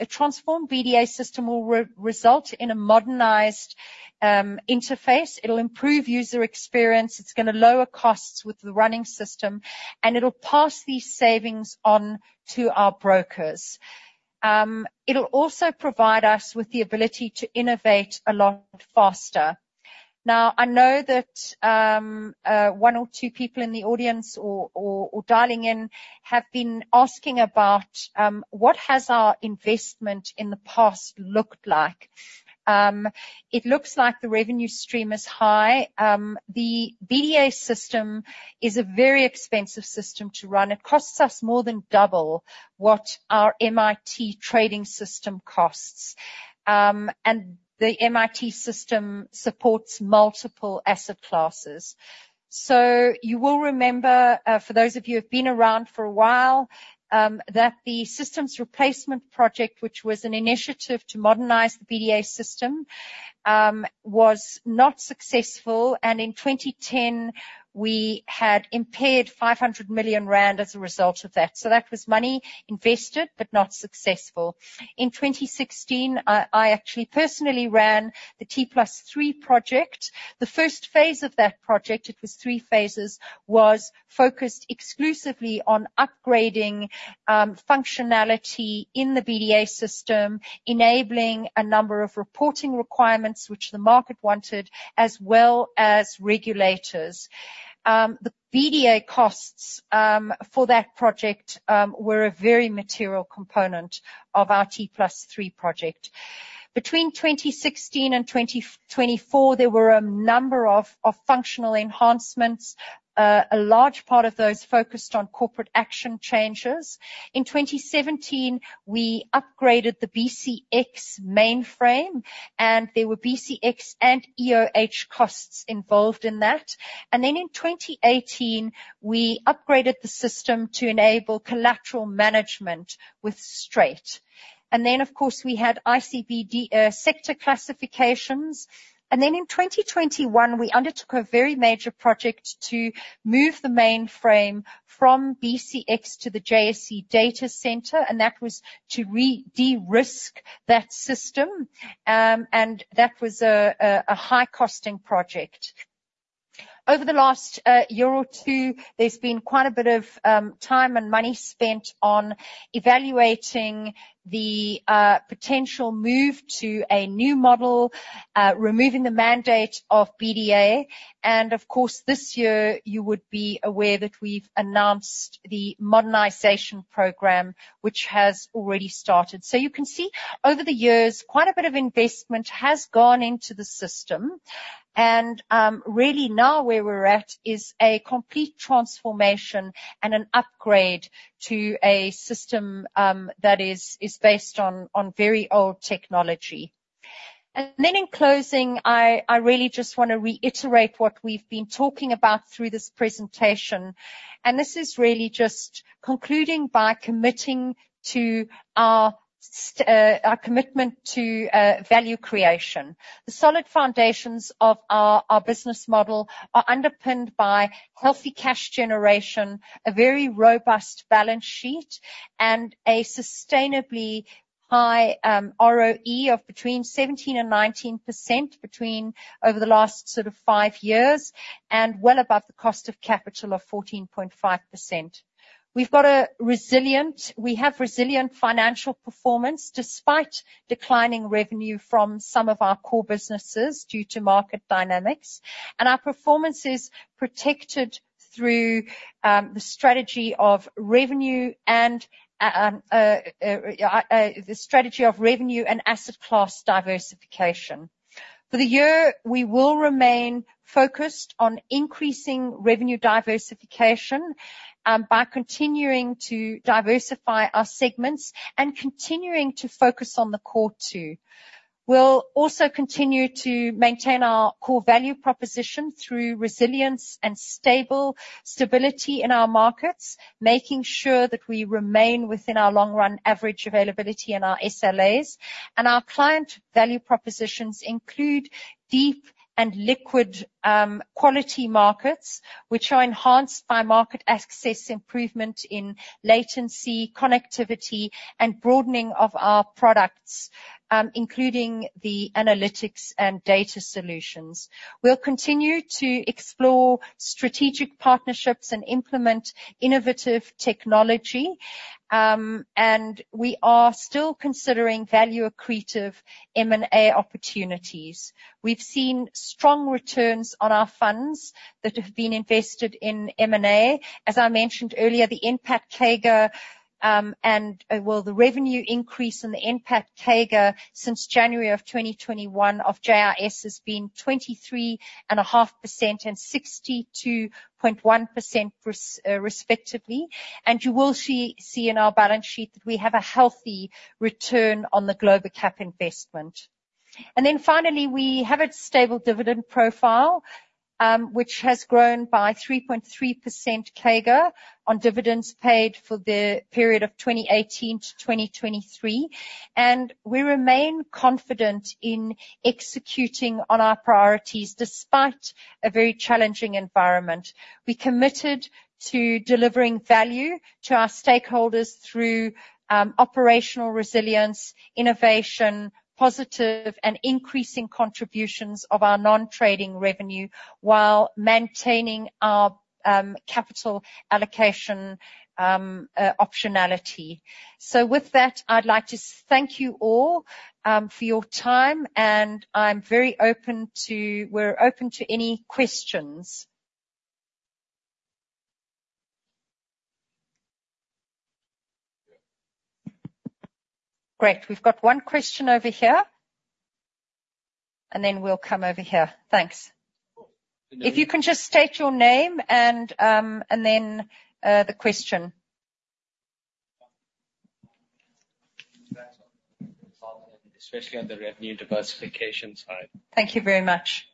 a transformed BDA system will result in a modernized interface. It'll improve user experience, it's gonna lower costs with the running system, and it'll pass these savings on to our brokers. It'll also provide us with the ability to innovate a lot faster. Now, I know that one or two people in the audience or dialing in have been asking about what has our investment in the past looked like? It looks like the revenue stream is high. The BDA system is a very expensive system to run. It costs us more than double what our MIT trading system costs, and the MIT system supports multiple asset classes. So you will remember, for those of you who've been around for a while, that the systems replacement project, which was an initiative to modernize the BDA system, was not successful, and in 2010, we had impaired 500 million rand as a result of that. So that was money invested, but not successful. In 2016, I actually personally ran the T+3 project. The first phase of that project, it was three phases, was focused exclusively on upgrading functionality in the BDA system, enabling a number of reporting requirements which the market wanted, as well as regulators. The BDA costs for that project were a very material component of our T+3 project. Between 2016 and 2024, there were a number of functional enhancements. A large part of those focused on corporate action changes. In 2017, we upgraded the BCX mainframe, and there were BCX and EOH costs involved in that. Then in 2018, we upgraded the system to enable collateral management with Strate. Then, of course, we had ICBD sector classifications. Then in 2021, we undertook a very major project to move the mainframe from BCX to the JSE data center, and that was to de-risk that system, and that was a high-costing project. Over the last year or two, there's been quite a bit of time and money spent on evaluating the potential move to a new model, removing the mandate of BDA. And, of course, this year, you would be aware that we've announced the modernization program, which has already started. So you can see over the years, quite a bit of investment has gone into the system. And really now, where we're at is a complete transformation and an upgrade to a system that is based on very old technology. In closing, I really just wanna reiterate what we've been talking about through this presentation, and this is really just concluding by committing to our commitment to value creation. The solid foundations of our business model are underpinned by healthy cash generation, a very robust balance sheet, and a sustainably high ROE of between 17%-19% over the last sort of 5 years, and well above the cost of capital of 14.5%. We have resilient financial performance, despite declining revenue from some of our core businesses due to market dynamics, and our performance is protected through the strategy of revenue and asset class diversification. For the year, we will remain focused on increasing revenue diversification, by continuing to diversify our segments and continuing to focus on the core two. We'll also continue to maintain our core value proposition through resilience and stable stability in our markets, making sure that we remain within our long-run average availability and our SLAs. Our client value propositions include deep and liquid, quality markets, which are enhanced by market access improvement in latency, connectivity, and broadening of our products, including the analytics and data solutions. We'll continue to explore strategic partnerships and implement innovative technology, and we are still considering value-accretive M&A opportunities. We've seen strong returns on our funds that have been invested in M&A. As I mentioned earlier, the NPAT CAGR, and... Well, the revenue increase in the NPAT CAGR since January of 2021 of JSE has been 23.5% and 62.1%, respectively. And you will see, see in our balance sheet that we have a healthy return on the Globacap investment. And then finally, we have a stable dividend profile, which has grown by 3.3% CAGR on dividends paid for the period of 2018 to 2023. And we remain confident in executing on our priorities, despite a very challenging environment. We're committed to delivering value to our stakeholders through operational resilience, innovation, positive, and increasing contributions of our non-trading revenue, while maintaining our capital allocation optionality. So with that, I'd like to thank you all for your time, and I'm very open to, we're open to any questions. Great. We've got one question over here, and then we'll come over here. Thanks. If you can just state your name and then the question.... Especially on the revenue diversification side. Thank you very much.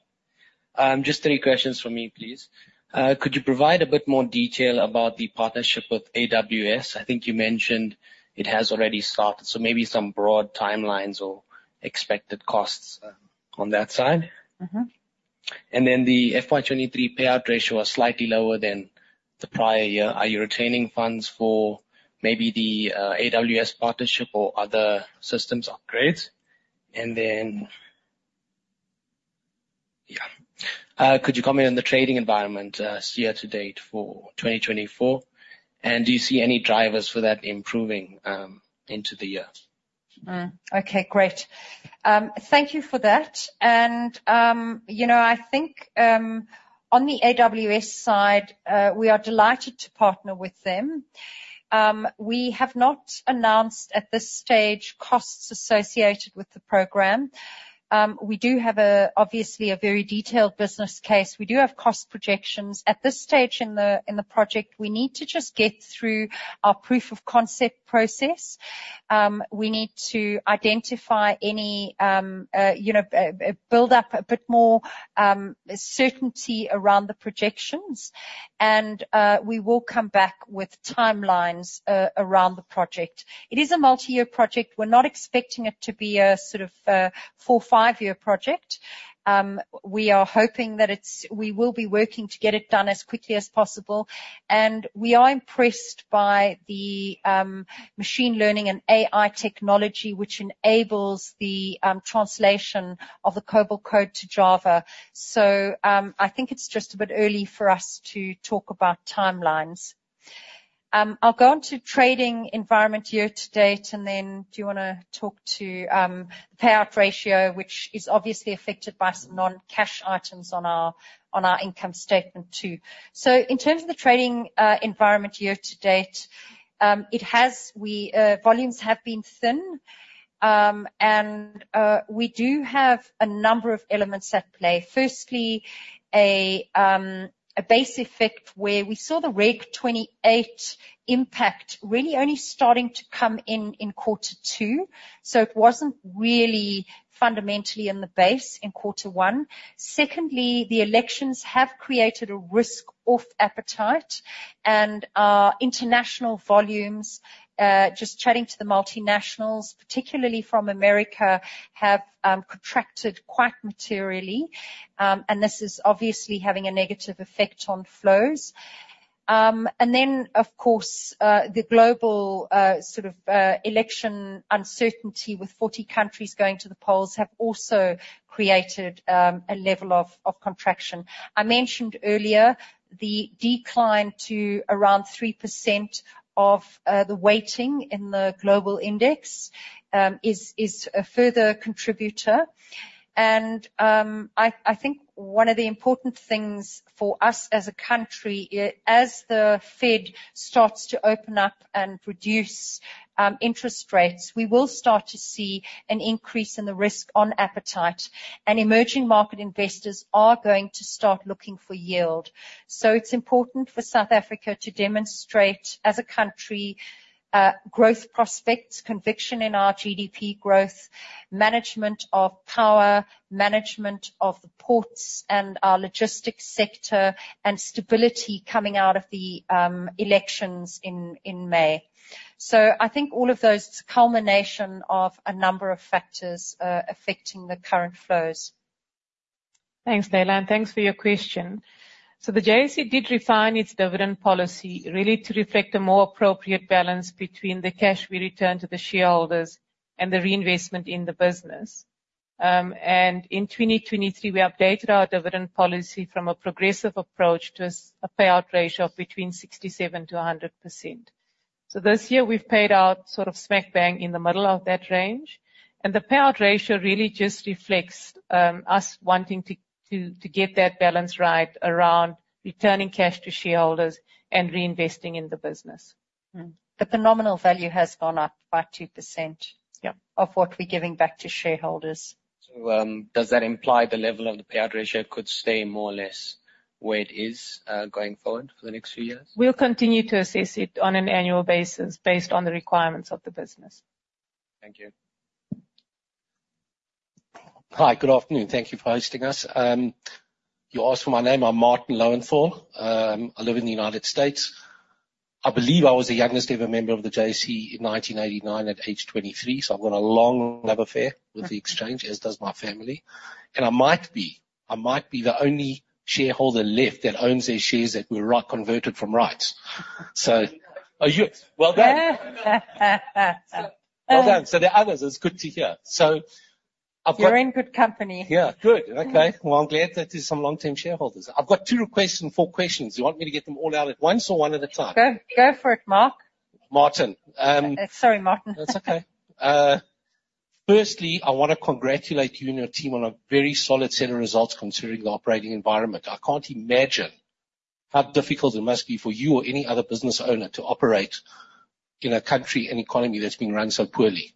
Just three questions from me, please. Could you provide a bit more detail about the partnership with AWS? I think you mentioned it has already started, so maybe some broad timelines or expected costs, on that side. Mm-hmm. Then the FY 2023 payout ratio was slightly lower than the prior year. Are you retaining funds for maybe the AWS partnership or other systems upgrades? And then, yeah, could you comment on the trading environment, so year to date for 2024? And do you see any drivers for that improving, into the year? Okay, great. Thank you for that. And, you know, I think, on the AWS side, we are delighted to partner with them. We have not announced at this stage, costs associated with the program. We do have, obviously, a very detailed business case. We do have cost projections. At this stage in the project, we need to just get through our proof of concept process. We need to identify any, you know, build up a bit more, certainty around the projections, and, we will come back with timelines, around the project. It is a multi-year project. We're not expecting it to be a sort of four-year project. We are hoping that it's—we will be working to get it done as quickly as possible, and we are impressed by the machine learning and AI technology, which enables the translation of the COBOL code to Java. So, I think it's just a bit early for us to talk about timelines. I'll go on to trading environment year to date, and then do you wanna talk to payout ratio, which is obviously affected by some non-cash items on our income statement, too? So in terms of the trading environment year to date, volumes have been thin. And we do have a number of elements at play. Firstly, a base effect where we saw the Reg 28 impact really only starting to come in, in quarter two, so it wasn't really fundamentally in the base in quarter one. Secondly, the elections have created a risk-off appetite, and our international volumes, just chatting to the multinationals, particularly from America, have contracted quite materially, and this is obviously having a negative effect on flows. And then, of course, the global sort of election uncertainty with 40 countries going to the polls have also created a level of contraction. I mentioned earlier, the decline to around 3% of the weighting in the global index is a further contributor. I think one of the important things for us as a country, as the Fed starts to open up and reduce interest rates, we will start to see an increase in the risk on appetite, and emerging market investors are going to start looking for yield. So it's important for South Africa to demonstrate, as a country, growth prospects, conviction in our GDP growth, management of power, management of the ports and our logistics sector, and stability coming out of the elections in May. So I think all of those, it's a culmination of a number of factors affecting the current flows. Thanks, Leila, and thanks for your question. So the JSE did refine its dividend policy, really to reflect a more appropriate balance between the cash we return to the shareholders and the reinvestment in the business. And in 2023, we updated our dividend policy from a progressive approach to a payout ratio of between 67%-100%. So this year we've paid out sort of smack bang in the middle of that range. And the payout ratio really just reflects us wanting to get that balance right around returning cash to shareholders and reinvesting in the business. The phenomenal value has gone up by 2%. Yeah of what we're giving back to shareholders. So, does that imply the level of the payout ratio could stay more or less where it is, going forward for the next few years? We'll continue to assess it on an annual basis, based on the requirements of the business. Thank you. Hi, good afternoon. Thank you for hosting us. You asked for my name, I'm Martin Lowenthal. I live in the United States. I believe I was the youngest-ever member of the JSE in 1989 at age 23, so I've got a long love affair with the exchange, as does my family. I might be the only shareholder left that owns their shares that were right, converted from right. So... Oh, good. Well done. Well done. So I've got- You're in good company. Yeah. Good. Okay. Mm. Well, I'm glad that there's some long-term shareholders. I've got two requests and four questions. You want me to get them all out at once or one at a time? Go, go for it, Mark. Martin. Um- Sorry, Martin. That's okay. Firstly, I wanna congratulate you and your team on a very solid set of results considering the operating environment. I can't imagine how difficult it must be for you or any other business owner to operate in a country and economy that's been run so poorly.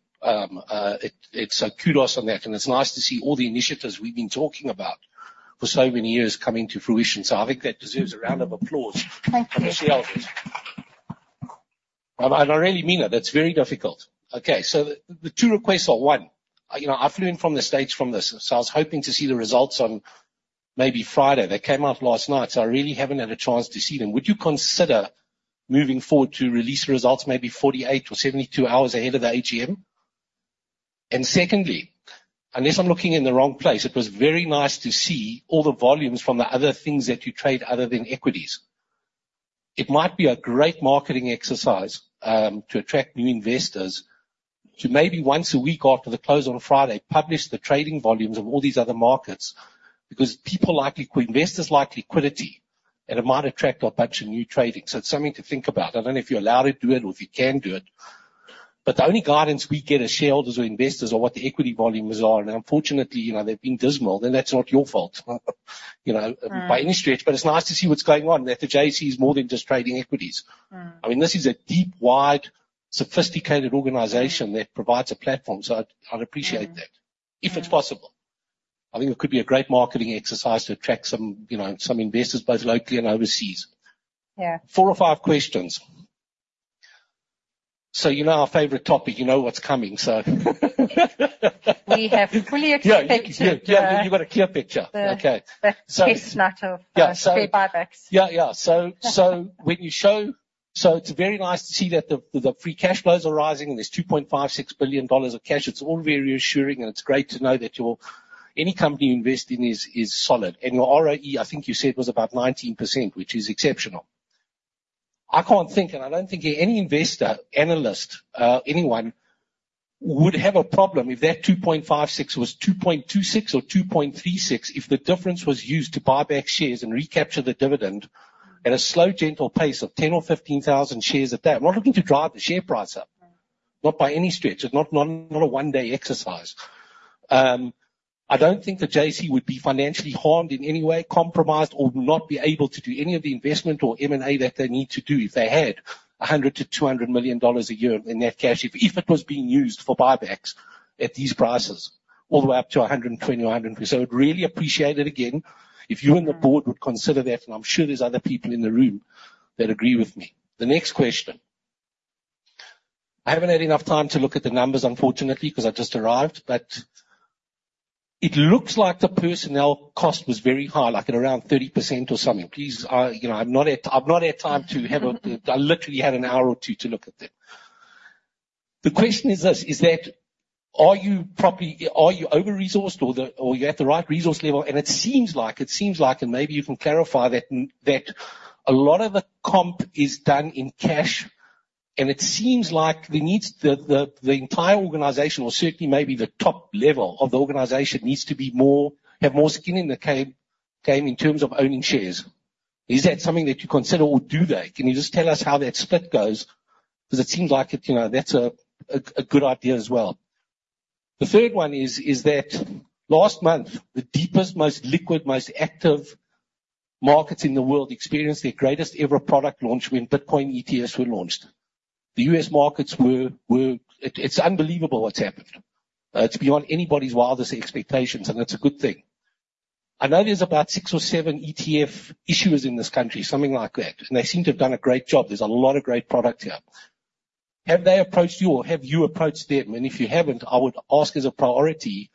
It's a kudos on that, and it's nice to see all the initiatives we've been talking about for so many years coming to fruition. So I think that deserves a round of applause. Thank you -from the shareholders. And I really mean it, that's very difficult. Okay, so the two requests are, one, you know, I flew in from the States from this, so I was hoping to see the results on maybe Friday. They came out last night, so I really haven't had a chance to see them. Would you consider moving forward to release results maybe 48 or 72 hours ahead of the AGM? And secondly, unless I'm looking in the wrong place, it was very nice to see all the volumes from the other things that you trade other than equities. It might be a great marketing exercise, to attract new investors to maybe once a week, after the close on a Friday, publish the trading volumes of all these other markets, because people, like investors, like liquidity, and it might attract a bunch of new trading. It's something to think about. I don't know if you're allowed to do it or if you can do it, but the only guidance we get as shareholders or investors are what the equity volumes are, and unfortunately, you know, they've been dismal, and that's not your fault, you know- Mm... by any stretch, but it's nice to see what's going on, that the JSE is more than just trading equities. Mm. I mean, this is a deep, wide, sophisticated organization that provides a platform, so I'd, I'd appreciate that- Mm... if it's possible. I think it could be a great marketing exercise to attract some, you know, some investors, both locally and overseas. Yeah. Four or five questions. So you know our favorite topic, you know what's coming, so We have fully expected- Yeah, yeah, you got a clear picture. Yeah. Okay. So- That test matter of- Yeah, so- -share buybacks. Yeah, yeah. So when you show... So it's very nice to see that the free cash flows are rising, and there's $2.56 billion of cash. It's all very reassuring, and it's great to know that your, any company you invest in is solid. And your ROE, I think you said, was about 19%, which is exceptional. I can't think, and I don't think any investor, analyst, anyone would have a problem if that $2.56 was $2.26 or $2.36, if the difference was used to buy back shares and recapture the dividend at a slow, gentle pace of 10,000 or 15,000 shares a day. We're not looking to drive the share price up, not by any stretch. It's not a one-day exercise. I don't think the JSE would be financially harmed in any way, compromised, or not be able to do any of the investment or M&A that they need to do if they had $100 million-$200 million a year in net cash, if, if it was being used for buybacks at these prices, all the way up to $120 million or $150 million. So I would really appreciate it, again, if you and the board would consider that, and I'm sure there's other people in the room that agree with me. The next question. I haven't had enough time to look at the numbers, unfortunately, because I've just arrived, but it looks like the personnel cost was very high, like at around 30% or something. Please, you know, I've not had time to have a—I literally had an hour or two to look at it. The question is this: Are you properly... Are you over-resourced, or are you at the right resource level? And it seems like, and maybe you can clarify that, that a lot of the comp is done in cash, and it seems like the needs, the entire organization, or certainly maybe the top level of the organization, needs to be more—have more skin in the game in terms of owning shares. Is that something that you consider, or do that? Can you just tell us how that split goes? Because it seems like it, you know, that's a good idea as well. The third one is that last month, the deepest, most liquid, most active markets in the world experienced their greatest-ever product launch when Bitcoin ETFs were launched. The U.S. markets were... It's unbelievable what's happened. It's beyond anybody's wildest expectations, and it's a good thing. I know there's about six or seven ETF issuers in this country, something like that, and they seem to have done a great job. There's a lot of great product here. Have they approached you, or have you approached them? And if you haven't, I would ask as a priority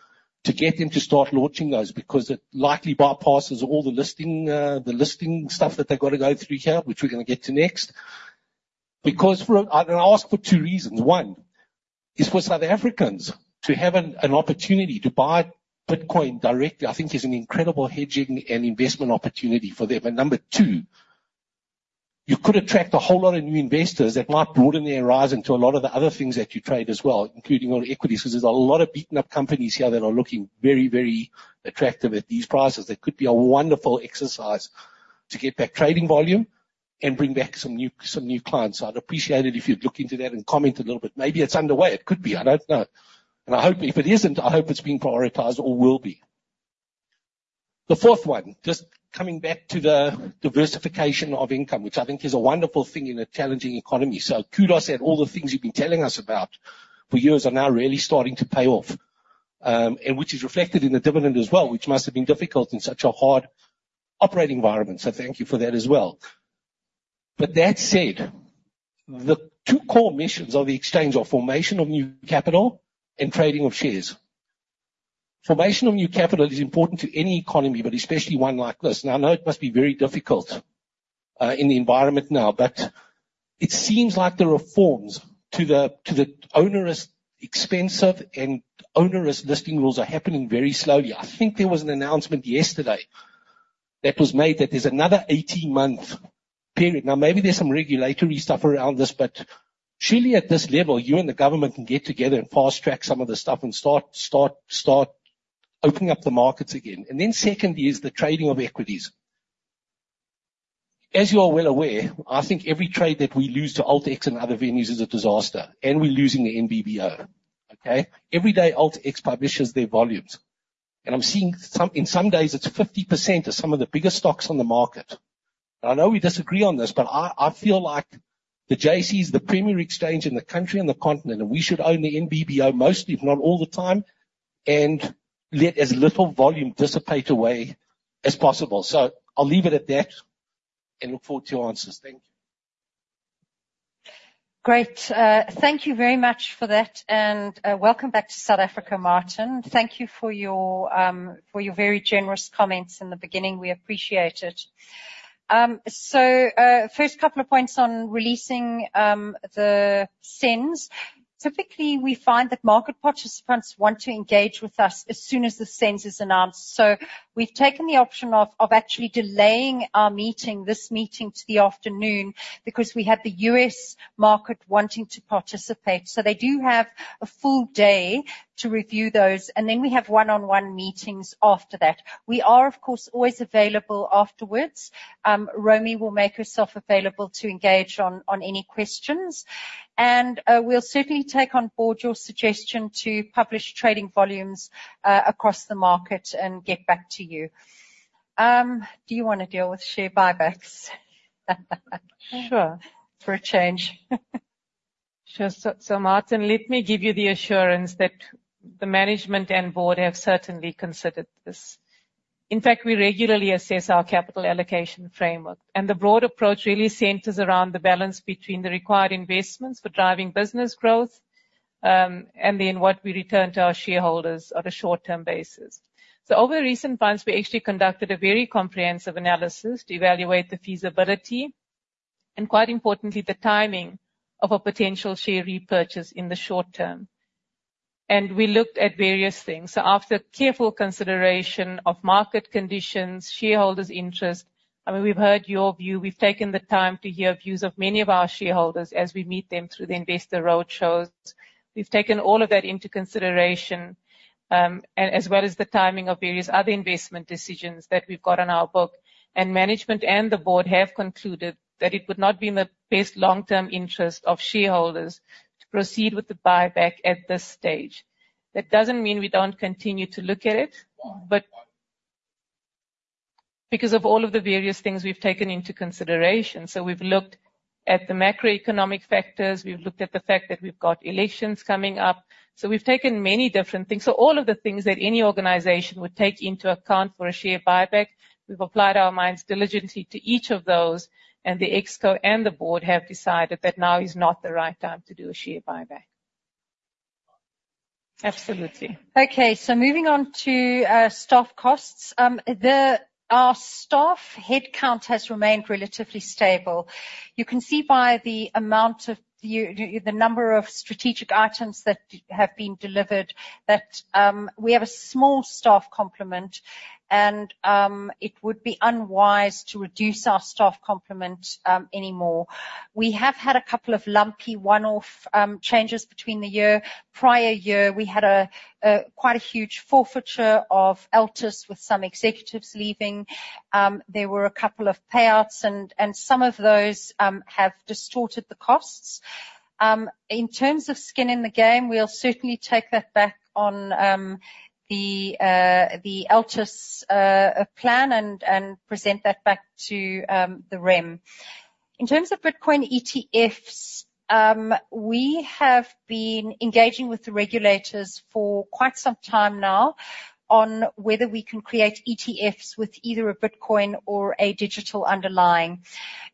to get them to start launching those, because it likely bypasses all the listing, the listing stuff that they've got to go through here, which we're gonna get to next. Because, for—I'm gonna ask for two reasons: one, is for South Africans to have an opportunity to buy Bitcoin directly, I think is an incredible hedging and investment opportunity for them. And number two, you could attract a whole lot of new investors that might broaden their horizon to a lot of the other things that you trade as well, including on equities, because there's a lot of beaten-up companies here that are looking very, very attractive at these prices. That could be a wonderful exercise to get back trading volume and bring back some new clients. So I'd appreciate it if you'd look into that and comment a little bit. Maybe it's underway. It could be, I don't know. And I hope if it isn't, I hope it's being prioritized or will be. The fourth one, just coming back to the diversification of income, which I think is a wonderful thing in a challenging economy. So kudos at all the things you've been telling us about for years are now really starting to pay off, and which is reflected in the dividend as well, which must have been difficult in such a hard operating environment, so thank you for that as well. But that said, the two core missions of the exchange are formation of new capital and trading of shares. Formation of new capital is important to any economy, but especially one like this. Now, I know it must be very difficult, in the environment now, but it seems like the reforms to the onerous, expensive, and onerous listing rules are happening very slowly. I think there was an announcement yesterday that was made that there's another 18-month period. Now, maybe there's some regulatory stuff around this, but surely at this level, you and the government can get together and fast-track some of the stuff and start, start, start opening up the markets again. And then secondly, is the trading of equities. As you are well aware, I think every trade that we lose to AltX and other venues is a disaster, and we're losing the NBBO, okay? Every day, AltX publishes their volumes, and I'm seeing some—in some days, it's 50% of some of the biggest stocks on the market. I know we disagree on this, but I, I feel like the JSE is the premier exchange in the country and the continent, and we should own the NBBO mostly, if not all the time, and let as little volume dissipate away as possible. So I'll leave it at that and look forward to your answers. Thank you. Great. Thank you very much for that, and welcome back to South Africa, Martin. Thank you for your for your very generous comments in the beginning. We appreciate it. So, first couple of points on releasing the SENS. Typically, we find that market participants want to engage with us as soon as the SENS is announced. So we've taken the option of actually delaying our meeting, this meeting, to the afternoon, because we had the U.S. market wanting to participate. So they do have a full day to review those, and then we have one-on-one meetings after that. We are, of course, always available afterwards. Romy will make herself available to engage on any questions. And, we'll certainly take on board your suggestion to publish trading volumes across the market and get back to you. Do you wanna deal with share buybacks? Sure. For a change. Sure. So, so Martin, let me give you the assurance that the management and board have certainly considered this. In fact, we regularly assess our capital allocation framework, and the broad approach really centers around the balance between the required investments for driving business growth, and then what we return to our shareholders on a short-term basis. So over recent months, we actually conducted a very comprehensive analysis to evaluate the feasibility, and quite importantly, the timing of a potential share repurchase in the short term. And we looked at various things. So after careful consideration of market conditions, shareholders' interest, I mean, we've heard your view. We've taken the time to hear views of many of our shareholders as we meet them through the investor roadshows. We've taken all of that into consideration, and as well as the timing of various other investment decisions that we've got on our book, and management and the board have concluded that it would not be in the best long-term interest of shareholders to proceed with the buyback at this stage. That doesn't mean we don't continue to look at it, but because of all of the various things we've taken into consideration. So we've looked at the macroeconomic factors, we've looked at the fact that we've got elections coming up, so we've taken many different things. So all of the things that any organization would take into account for a share buyback, we've applied our minds diligently to each of those, and the ExCo and the board have decided that now is not the right time to do a share buyback. Absolutely. Okay, so moving on to staff costs. Our staff headcount has remained relatively stable. You can see by the amount of the number of strategic items that have been delivered, that we have a small staff complement, and it would be unwise to reduce our staff complement any more. We have had a couple of lumpy one-off changes between the year. Prior year, we had quite a huge forfeiture of Altius, with some executives leaving. There were a couple of payouts, and some of those have distorted the costs. In terms of skin in the game, we'll certainly take that back on the Altius plan, and present that back to the REM. In terms of Bitcoin ETFs, we have been engaging with the regulators for quite some time now on whether we can create ETFs with either a Bitcoin or a digital underlying.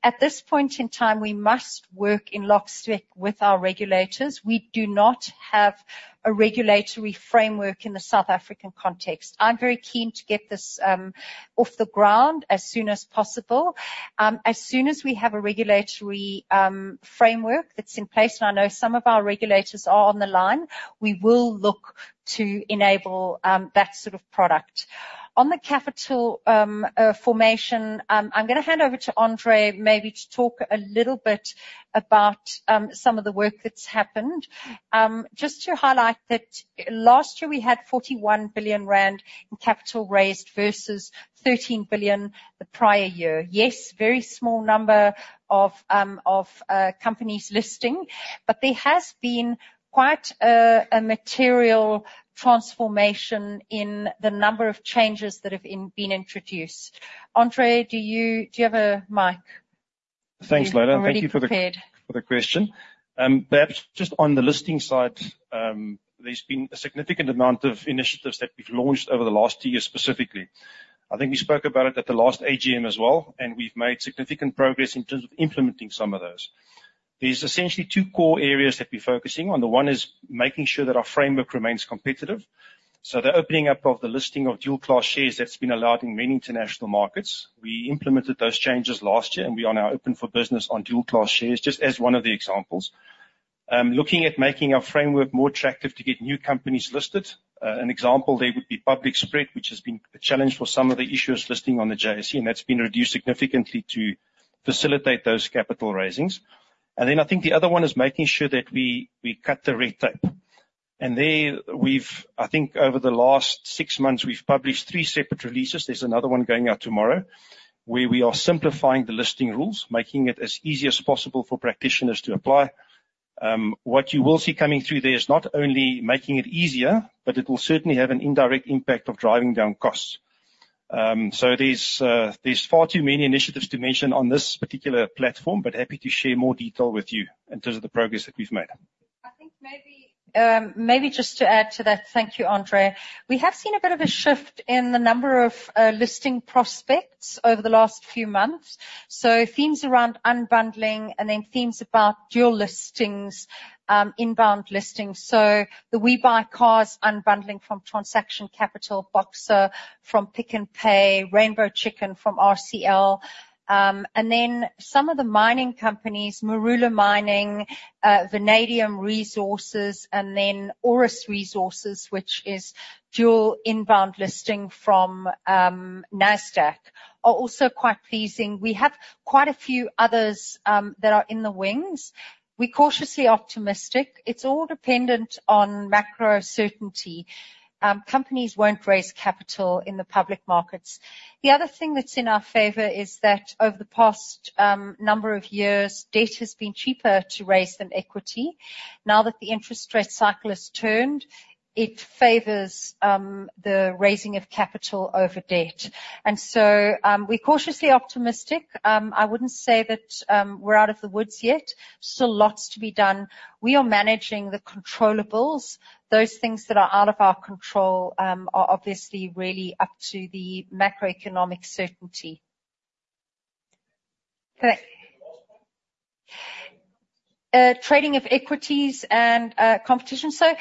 At this point in time, we must work in lockstep with our regulators. We do not have a regulatory framework in the South African context. I'm very keen to get this off the ground as soon as possible. As soon as we have a regulatory framework that's in place, and I know some of our regulators are on the line, we will look to enable that sort of product. On the capital formation, I'm gonna hand over to Andre, maybe to talk a little bit about some of the work that's happened. Just to highlight that last year, we had 41 billion rand in capital raised versus 13 billion the prior year. Yes, very small number of companies listing, but there has been quite a material transformation in the number of changes that have been introduced. Andre, do you have a mic? Thanks, Leila. Already prepared. Thank you for the question. Perhaps just on the listing side, there's been a significant amount of initiatives that we've launched over the last two years, specifically. I think we spoke about it at the last AGM as well, and we've made significant progress in terms of implementing some of those. There's essentially two core areas that we're focusing on. The one is making sure that our framework remains competitive, so the opening up of the listing of dual class shares, that's been allowed in many international markets. We implemented those changes last year, and we are now open for business on dual class shares, just as one of the examples. Looking at making our framework more attractive to get new companies listed, an example there would be public spread, which has been a challenge for some of the issuers listing on the JSE, and that's been reduced significantly to facilitate those capital raisings. And then I think the other one is making sure that we cut the red tape. And there, I think over the last six months, we've published three separate releases, there's another one going out tomorrow, where we are simplifying the listing rules, making it as easy as possible for practitioners to apply. What you will see coming through there is not only making it easier, but it will certainly have an indirect impact of driving down costs. So there's far too many initiatives to mention on this particular platform, but happy to share more detail with you in terms of the progress that we've made. I think maybe, maybe just to add to that... Thank you, Andre. We have seen a bit of a shift in the number of listing prospects over the last few months. So themes around unbundling and then themes about dual listings, inbound listings. So the WeBuyCars unbundling from Transaction Capital, Boxer from Pick n Pay, Rainbow Chicken from RCL. And then some of the mining companies, Marula Mining, Vanadium Resources, and then Osino Resources, which is dual inbound listing from Nasdaq, are also quite pleasing. We have quite a few others that are in the wings. We're cautiously optimistic. It's all dependent on macro certainty. Companies won't raise capital in the public markets. The other thing that's in our favor is that over the past number of years, debt has been cheaper to raise than equity. Now that the interest rate cycle has turned, it favors the raising of capital over debt, and so we're cautiously optimistic. I wouldn't say that we're out of the woods yet. Still lots to be done. We are managing the controllables. Those things that are out of our control are obviously really up to the macroeconomic certainty. Trading of equities and competition. So,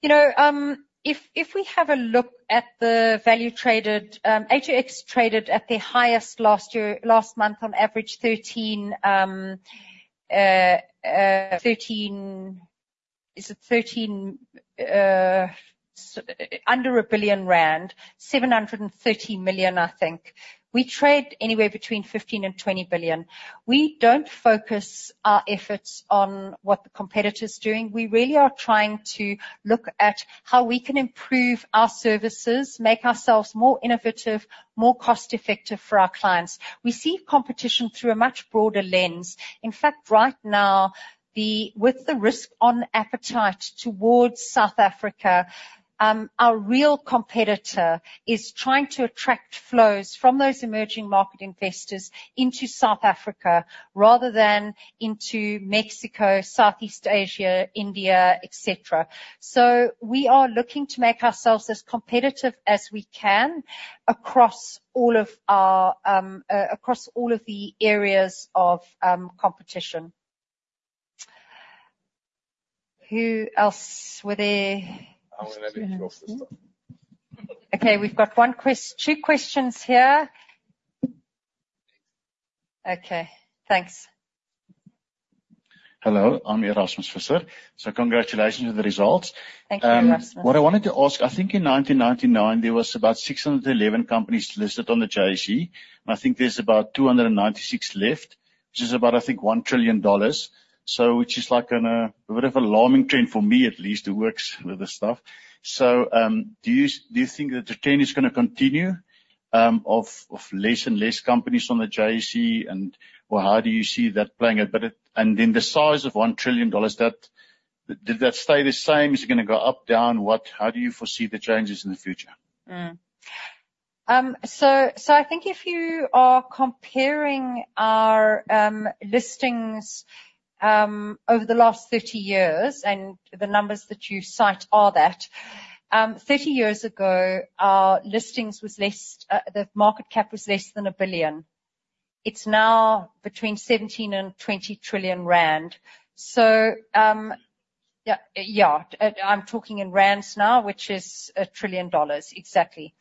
you know, if we have a look at the value traded, A2X traded at their highest last year, last month, on average, under 1 billion rand, 730 million, I think. We trade anywhere between 15 billion-20 billion. We don't focus our efforts on what the competitor is doing. We really are trying to look at how we can improve our services, make ourselves more innovative, more cost effective for our clients. We see competition through a much broader lens. In fact, right now, with the risk on appetite towards South Africa, our real competitor is trying to attract flows from those emerging market investors into South Africa rather than into Mexico, Southeast Asia, India, et cetera. So we are looking to make ourselves as competitive as we can across all of the areas of competition. Who else were there? Okay, we've got two questions here. Okay, thanks. Hello, I'm Erasmus Visser. Congratulations on the results. Thank you, Erasmus. What I wanted to ask, I think in 1999, there was about 611 companies listed on the JSE, and I think there's about 296 left, which is about, I think, $1 trillion. So which is like on a bit of alarming trend for me, at least, who works with this stuff. So, do you think that the trend is gonna continue of less and less companies on the JSE? And, well, how do you see that playing out? And then the size of $1 trillion, that, did that stay the same? Is it gonna go up, down? What - how do you foresee the changes in the future? I think if you are comparing our listings over the last 30 years, and the numbers that you cite are that 30 years ago, our listings was less, the market cap was less than 1 billion. It's now between 17 trillion and 20 trillion rand. So, I'm talking in rands now, which is $1 trillion, exactly.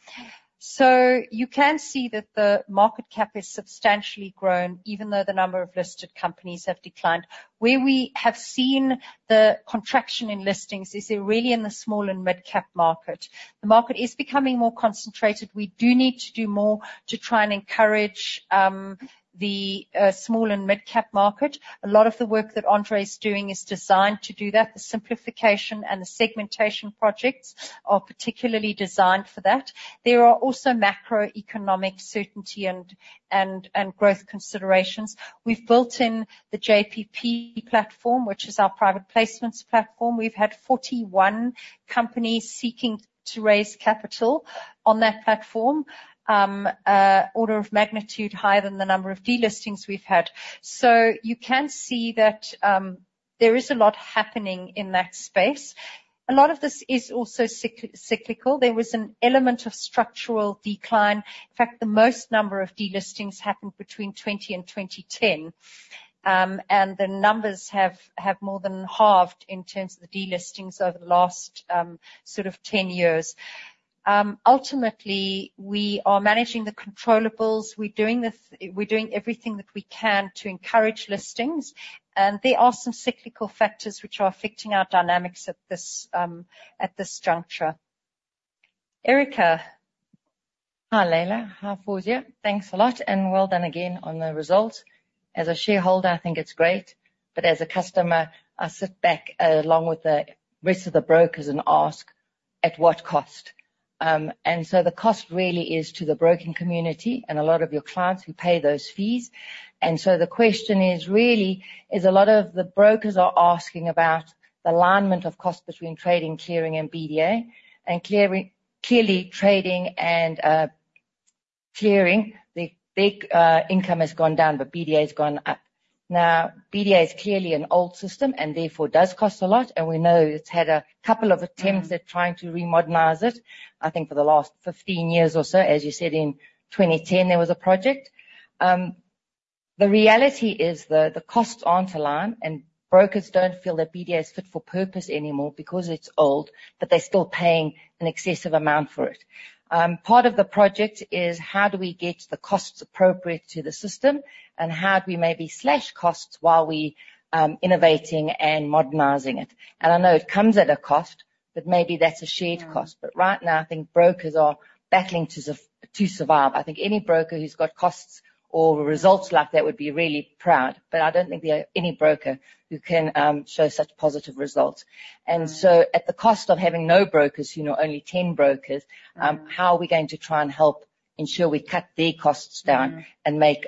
So you can see that the market cap has substantially grown, even though the number of listed companies have declined. Where we have seen the contraction in listings is really in the small and mid-cap market. The market is becoming more concentrated. We do need to do more to try and encourage the small and mid-cap market. A lot of the work that Andre is doing is designed to do that. The simplification and the segmentation projects are particularly designed for that. There are also macroeconomic certainty and growth considerations. We've built in the JPP platform, which is our private placements platform. We've had 41 companies seeking to raise capital on that platform, order of magnitude higher than the number of delistings we've had. So you can see that, there is a lot happening in that space. A lot of this is also cyclical. There was an element of structural decline. In fact, the most number of delistings happened between 2000 and 2010, and the numbers have more than halved in terms of the delistings over the last, sort of 10 years. Ultimately, we are managing the controllables. We're doing everything that we can to encourage listings, and there are some cyclical factors which are affecting our dynamics at this juncture. Erica? Hi, Leila. How are you? Thanks a lot, and well done again on the results. As a shareholder, I think it's great, but as a customer, I sit back, along with the rest of the brokers and ask, at what cost? And so the cost really is to the broking community and a lot of your clients who pay those fees. And so the question is, really, a lot of the brokers are asking about the alignment of cost between trading, clearing, and BDA. And clearing - clearly, trading and clearing, the big income has gone down, but BDA has gone up. Now, BDA is clearly an old system and therefore does cost a lot, and we know it's had a couple of attempts at trying to remodernize it, I think for the last 15 years or so. As you said, in 2010, there was a project. The reality is the costs aren't aligned, and brokers don't feel that BDA is fit for purpose anymore because it's old, but they're still paying an excessive amount for it. Part of the project is how do we get the costs appropriate to the system, and how do we maybe slash costs while we innovating and modernizing it? And I know it comes at a cost, but maybe that's a shared cost. Mm. But right now, I think brokers are battling to survive. I think any broker who's got costs or results like that would be really proud, but I don't think there are any broker who can show such positive results. Mm. And so at the cost of having no brokers, you know, only 10 brokers- Mm. how are we going to try and help ensure we cut their costs down? Mm. -and make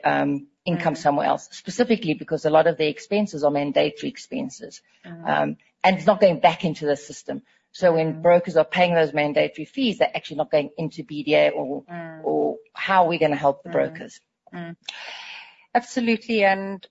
income somewhere else? Mm. Specifically, because a lot of the expenses are mandatory expenses. Mm. It's not going back into the system. Mm. When brokers are paying those mandatory fees, they're actually not going into BDA or- Mm... or how are we gonna help the brokers? Absolutely, and,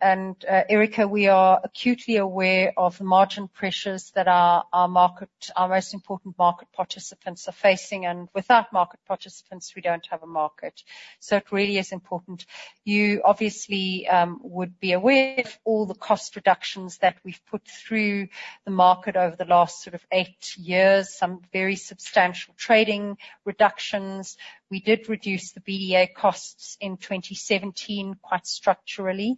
Erica, we are acutely aware of the margin pressures that our market—our most important market participants are facing, and without market participants, we don't have a market. So it really is important. You obviously would be aware of all the cost reductions that we've put through the market over the last sort of eight years, some very substantial trading reductions. We did reduce the BDA costs in 2017 quite structurally.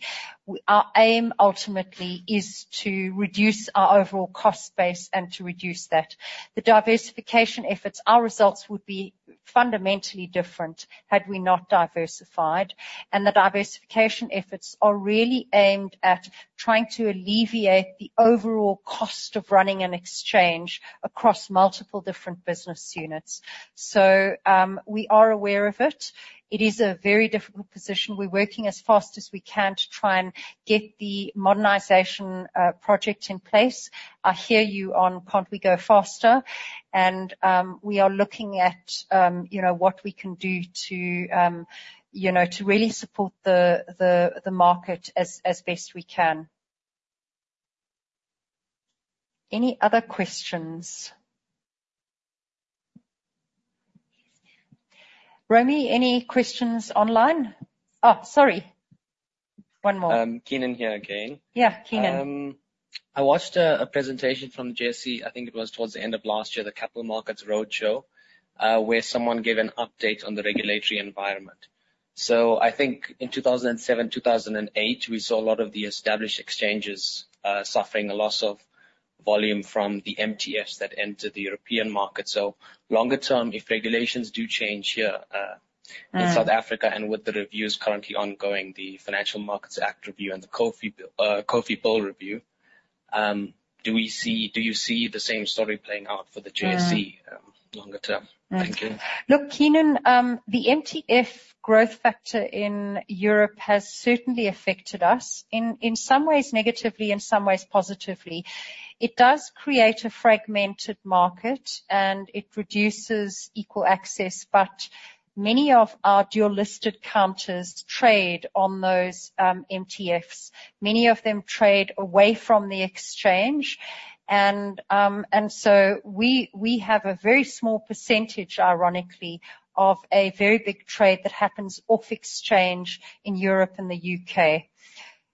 Our aim, ultimately, is to reduce our overall cost base and to reduce that. The diversification efforts, our results would be fundamentally different had we not diversified, and the diversification efforts are really aimed at trying to alleviate the overall cost of running an exchange across multiple different business units. So, we are aware of it. It is a very difficult position. We're working as fast as we can to try and get the modernization project in place. I hear you on, can't we go faster? And, we are looking at, you know, what we can do to, you know, to really support the market as best we can. Any other questions? Romy, any questions online? Oh, sorry. One more. Keenan here again. Yeah, Keenan. I watched a presentation from Jesse, I think it was towards the end of last year, the Capital Markets Roadshow, where someone gave an update on the regulatory environment. So I think in 2007, 2008, we saw a lot of the established exchanges suffering a loss of volume from the MTFs that entered the European market. So longer term, if regulations do change here, Mm... in South Africa, and with the reviews currently ongoing, the Financial Markets Act review and the COFI Bill review, do you see the same story playing out for the JSE longer term? Thank you. Look, Keenan, the MTF growth factor in Europe has certainly affected us, in, in some ways negatively, in some ways positively. It does create a fragmented market, and it reduces equal access, but many of our dual-listed counters trade on those, MTFs. Many of them trade away from the exchange, and, and so we, we have a very small percentage, ironically, of a very big trade that happens off exchange in Europe and the UK.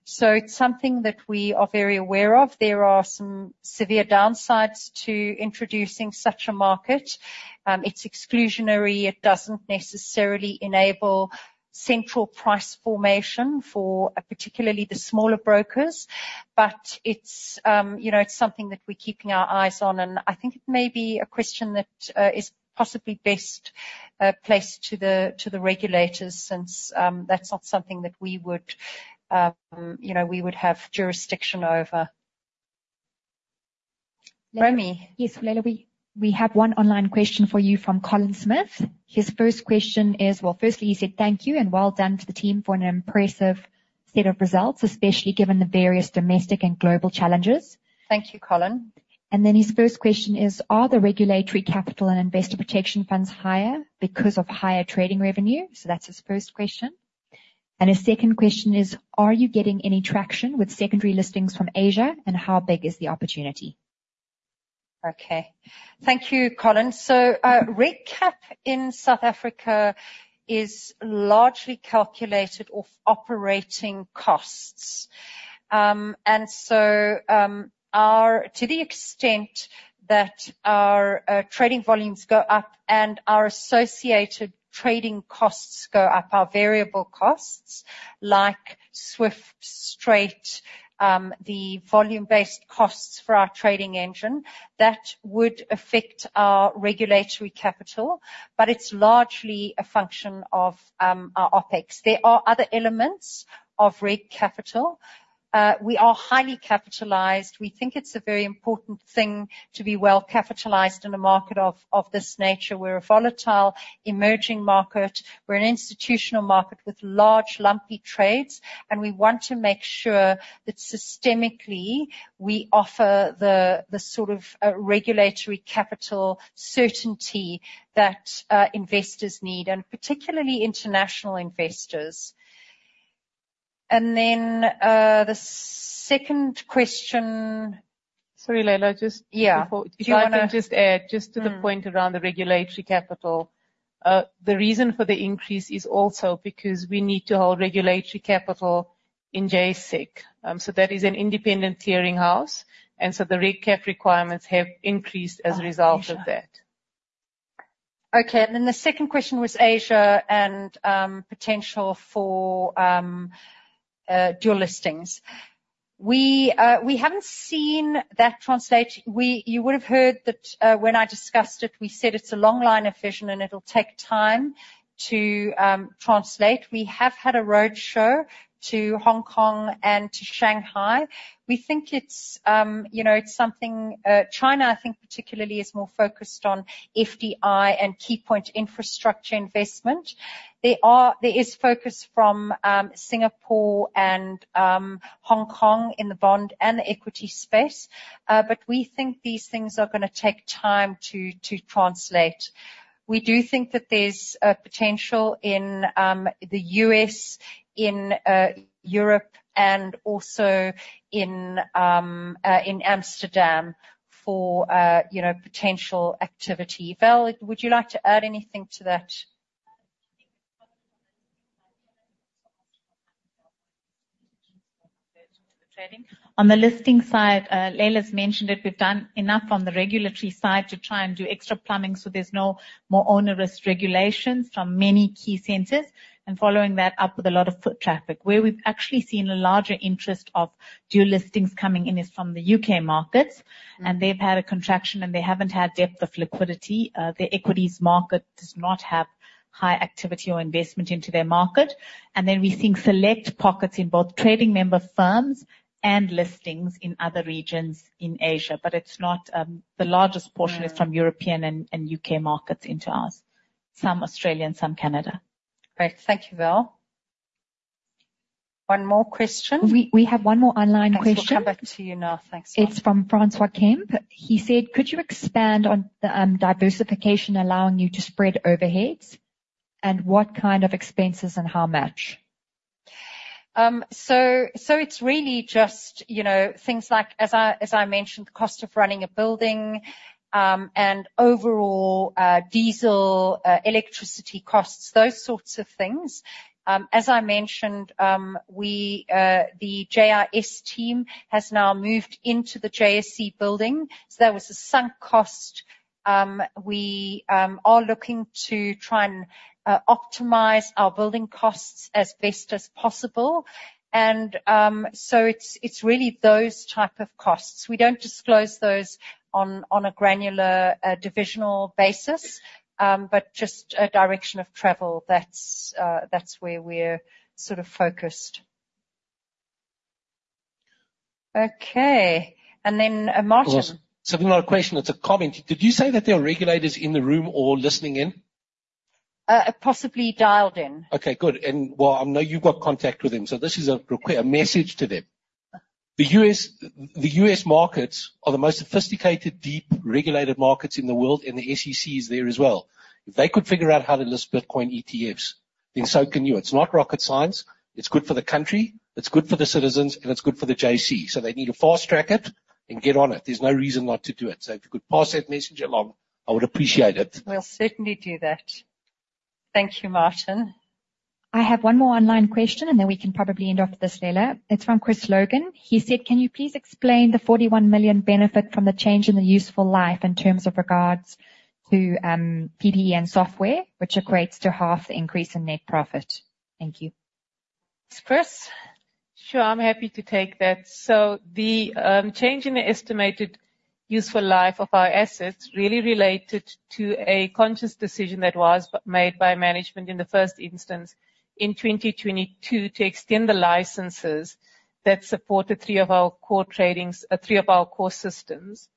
So it's something that we are very aware of. There are some severe downsides to introducing such a market. It's exclusionary. It doesn't necessarily enable central price formation for particularly the smaller brokers, but it's, you know, it's something that we're keeping our eyes on, and I think it may be a question that is possibly best placed to the regulators, since that's not something that we would, you know, we would have jurisdiction over. Romy? Yes, Leila, we have one online question for you from Colin Smith. His first question is... Well, firstly, he said thank you, and well done to the team for an impressive set of results, especially given the various domestic and global challenges. Thank you, Colin. Then his first question is: Are the regulatory capital and investor protection funds higher because of higher trading revenue? So that's his first question. His second question is: Are you getting any traction with secondary listings from Asia, and how big is the opportunity? Okay. Thank you, Colin. So, reg cap in South Africa is largely calculated off operating costs. Our—to the extent that our trading volumes go up and our associated trading costs go up, our variable costs, like SWIFT, Strate, the volume-based costs for our trading engine, that would affect our regulatory capital, but it's largely a function of our OpEx. There are other elements of reg cap. We are highly capitalized. We think it's a very important thing to be well-capitalized in a market of this nature. We're a volatile, emerging market. We're an institutional market with large, lumpy trades, and we want to make sure that systemically, we offer the sort of regulatory capital certainty that investors need, and particularly international investors. And then, the second question- Sorry, Leila, just- Yeah. Before- Do you wanna- If I can just add, just to the point. Mm around the regulatory capital. The reason for the increase is also because we need to hold regulatory capital in JSE Clear. That is an independent clearing house, and so the reg cap requirements have increased as a result of that. Okay, and then the second question was Asia and potential for dual listings. We haven't seen that translate. We—you would have heard that, when I discussed it, we said it's a long line of vision, and it'll take time to translate. We have had a roadshow to Hong Kong and to Shanghai. We think it's, you know, it's something... China, I think, particularly, is more focused on FDI and key point infrastructure investment. There is focus from Singapore and Hong Kong in the bond and the equity space, but we think these things are gonna take time to translate. We do think that there's potential in the US, in Europe, and also in Amsterdam for, you know, potential activity. Val, would you like to add anything to that? ...On the listing side, Leila's mentioned that we've done enough on the regulatory side to try and do extra planning, so there's no more onerous regulations from many key centers, and following that up with a lot of foot traffic. Where we've actually seen a larger interest of dual listings coming in is from the U.K. markets, and they've had a contraction, and they haven't had depth of liquidity. Their equities market does not have high activity or investment into their market. And then we think select pockets in both trading member firms and listings in other regions in Asia. But it's not, the largest portion is from European and U.K. markets into ours, some Australia and some Canada. Great. Thank you, Val. One more question? We have one more online question. Thanks. We'll come back to you now. Thanks, Val. It's from Francois Kemp. He said: Could you expand on the, diversification, allowing you to spread overheads, and what kind of expenses and how much? So, so it's really just, you know, things like, as I, as I mentioned, the cost of running a building, and overall, diesel, electricity costs, those sorts of things. As I mentioned, we, the JIS team has now moved into the JSE building, so there was a sunk cost. We are looking to try and optimize our building costs as best as possible. And, so it's, it's really those type of costs. We don't disclose those on a granular divisional basis, but just a direction of travel, that's where we're sort of focused. Okay, and then, Martin? It's not a question, it's a comment. Did you say that there are regulators in the room or listening in? Possibly dialed in. Okay, good. And, well, I know you've got contact with them, so this is a message to them. The U.S., the U.S. markets are the most sophisticated, deep, regulated markets in the world, and the SEC is there as well. If they could figure out how to list Bitcoin ETFs, then so can you. It's not rocket science. It's good for the country, it's good for the citizens, and it's good for the JSE. So they need to fast-track it and get on it. There's no reason not to do it. So if you could pass that message along, I would appreciate it. We'll certainly do that. Thank you, Martin. I have one more online question, and then we can probably end off with this, Leila. It's from Chris Logan. He said: Can you please explain the 41 million benefit from the change in the useful life in terms of regards to, PDE and software, which equates to half the increase in net profit? Thank you. Chris, sure, I'm happy to take that. So the change in the estimated useful life of our assets really related to a conscious decision that was made by management in the first instance, in 2022, to extend the licenses that support the three of our core tradings three of our core systems.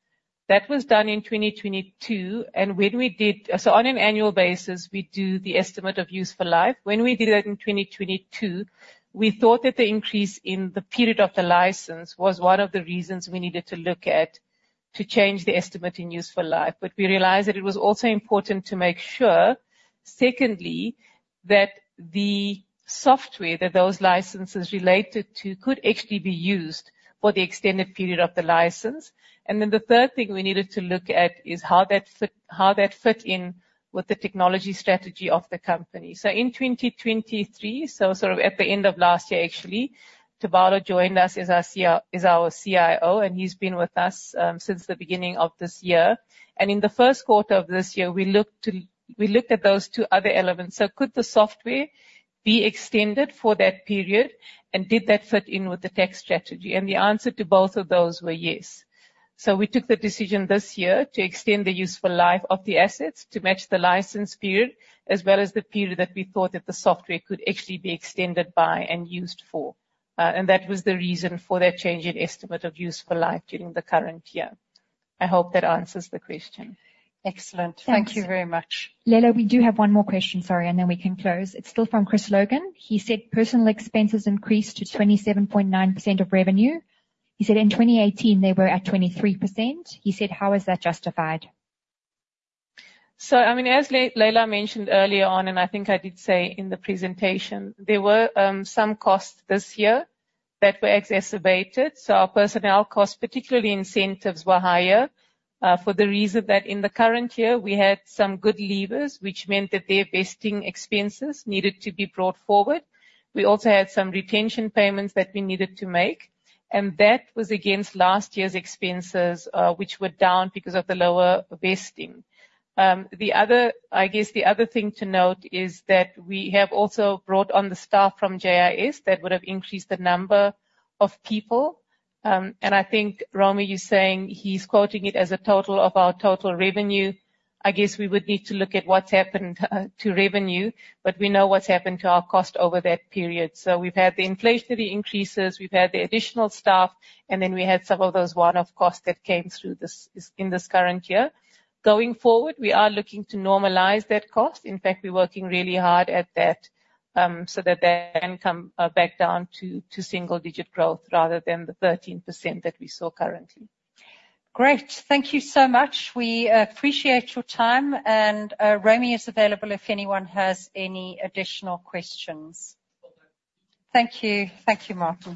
That was done in 2022, and when we did. So on an annual basis, we do the estimate of useful life. When we did it in 2022, we thought that the increase in the period of the license was one of the reasons we needed to look at to change the estimate in useful life. But we realized that it was also important to make sure, secondly, that the software that those licenses related to could actually be used for the extended period of the license. Then the third thing we needed to look at is how that fit in with the technology strategy of the company. So in 2023, so sort of at the end of last year, actually, Tebogo joined us as our CIO, and he's been with us since the beginning of this year. In the first quarter of this year, we looked at those two other elements. So could the software be extended for that period? And did that fit in with the tech strategy? And the answer to both of those were yes. So we took the decision this year to extend the useful life of the assets to match the license period, as well as the period that we thought that the software could actually be extended by and used for. That was the reason for that change in estimate of useful life during the current year. I hope that answers the question. Excellent. Thanks. Thank you very much. Layla, we do have one more question, sorry, and then we can close. It's still from Chris Logan. He said: Personal expenses increased to 27.9% of revenue. He said, "In 2018, they were at 23%." He said: How is that justified? So, I mean, as Leila mentioned earlier on, and I think I did say in the presentation, there were some costs this year that were exacerbated. So our personnel costs, particularly incentives, were higher for the reason that in the current year, we had some good leavers, which meant that their vesting expenses needed to be brought forward. We also had some retention payments that we needed to make, and that was against last year's expenses, which were down because of the lower vesting. The other, I guess the other thing to note is that we have also brought on the staff from JIS. That would have increased the number of people. And I think, Romy, you're saying he's quoting it as a total of our total revenue. I guess we would need to look at what's happened to revenue, but we know what's happened to our cost over that period. So we've had the inflationary increases, we've had the additional staff, and then we had some of those one-off costs that came through this in this current year. Going forward, we are looking to normalize that cost. In fact, we're working really hard at that, so that they can come back down to single-digit growth rather than the 13% that we saw currently. Great. Thank you so much. We appreciate your time, and Romy is available if anyone has any additional questions. Thank you. Thank you, Martin.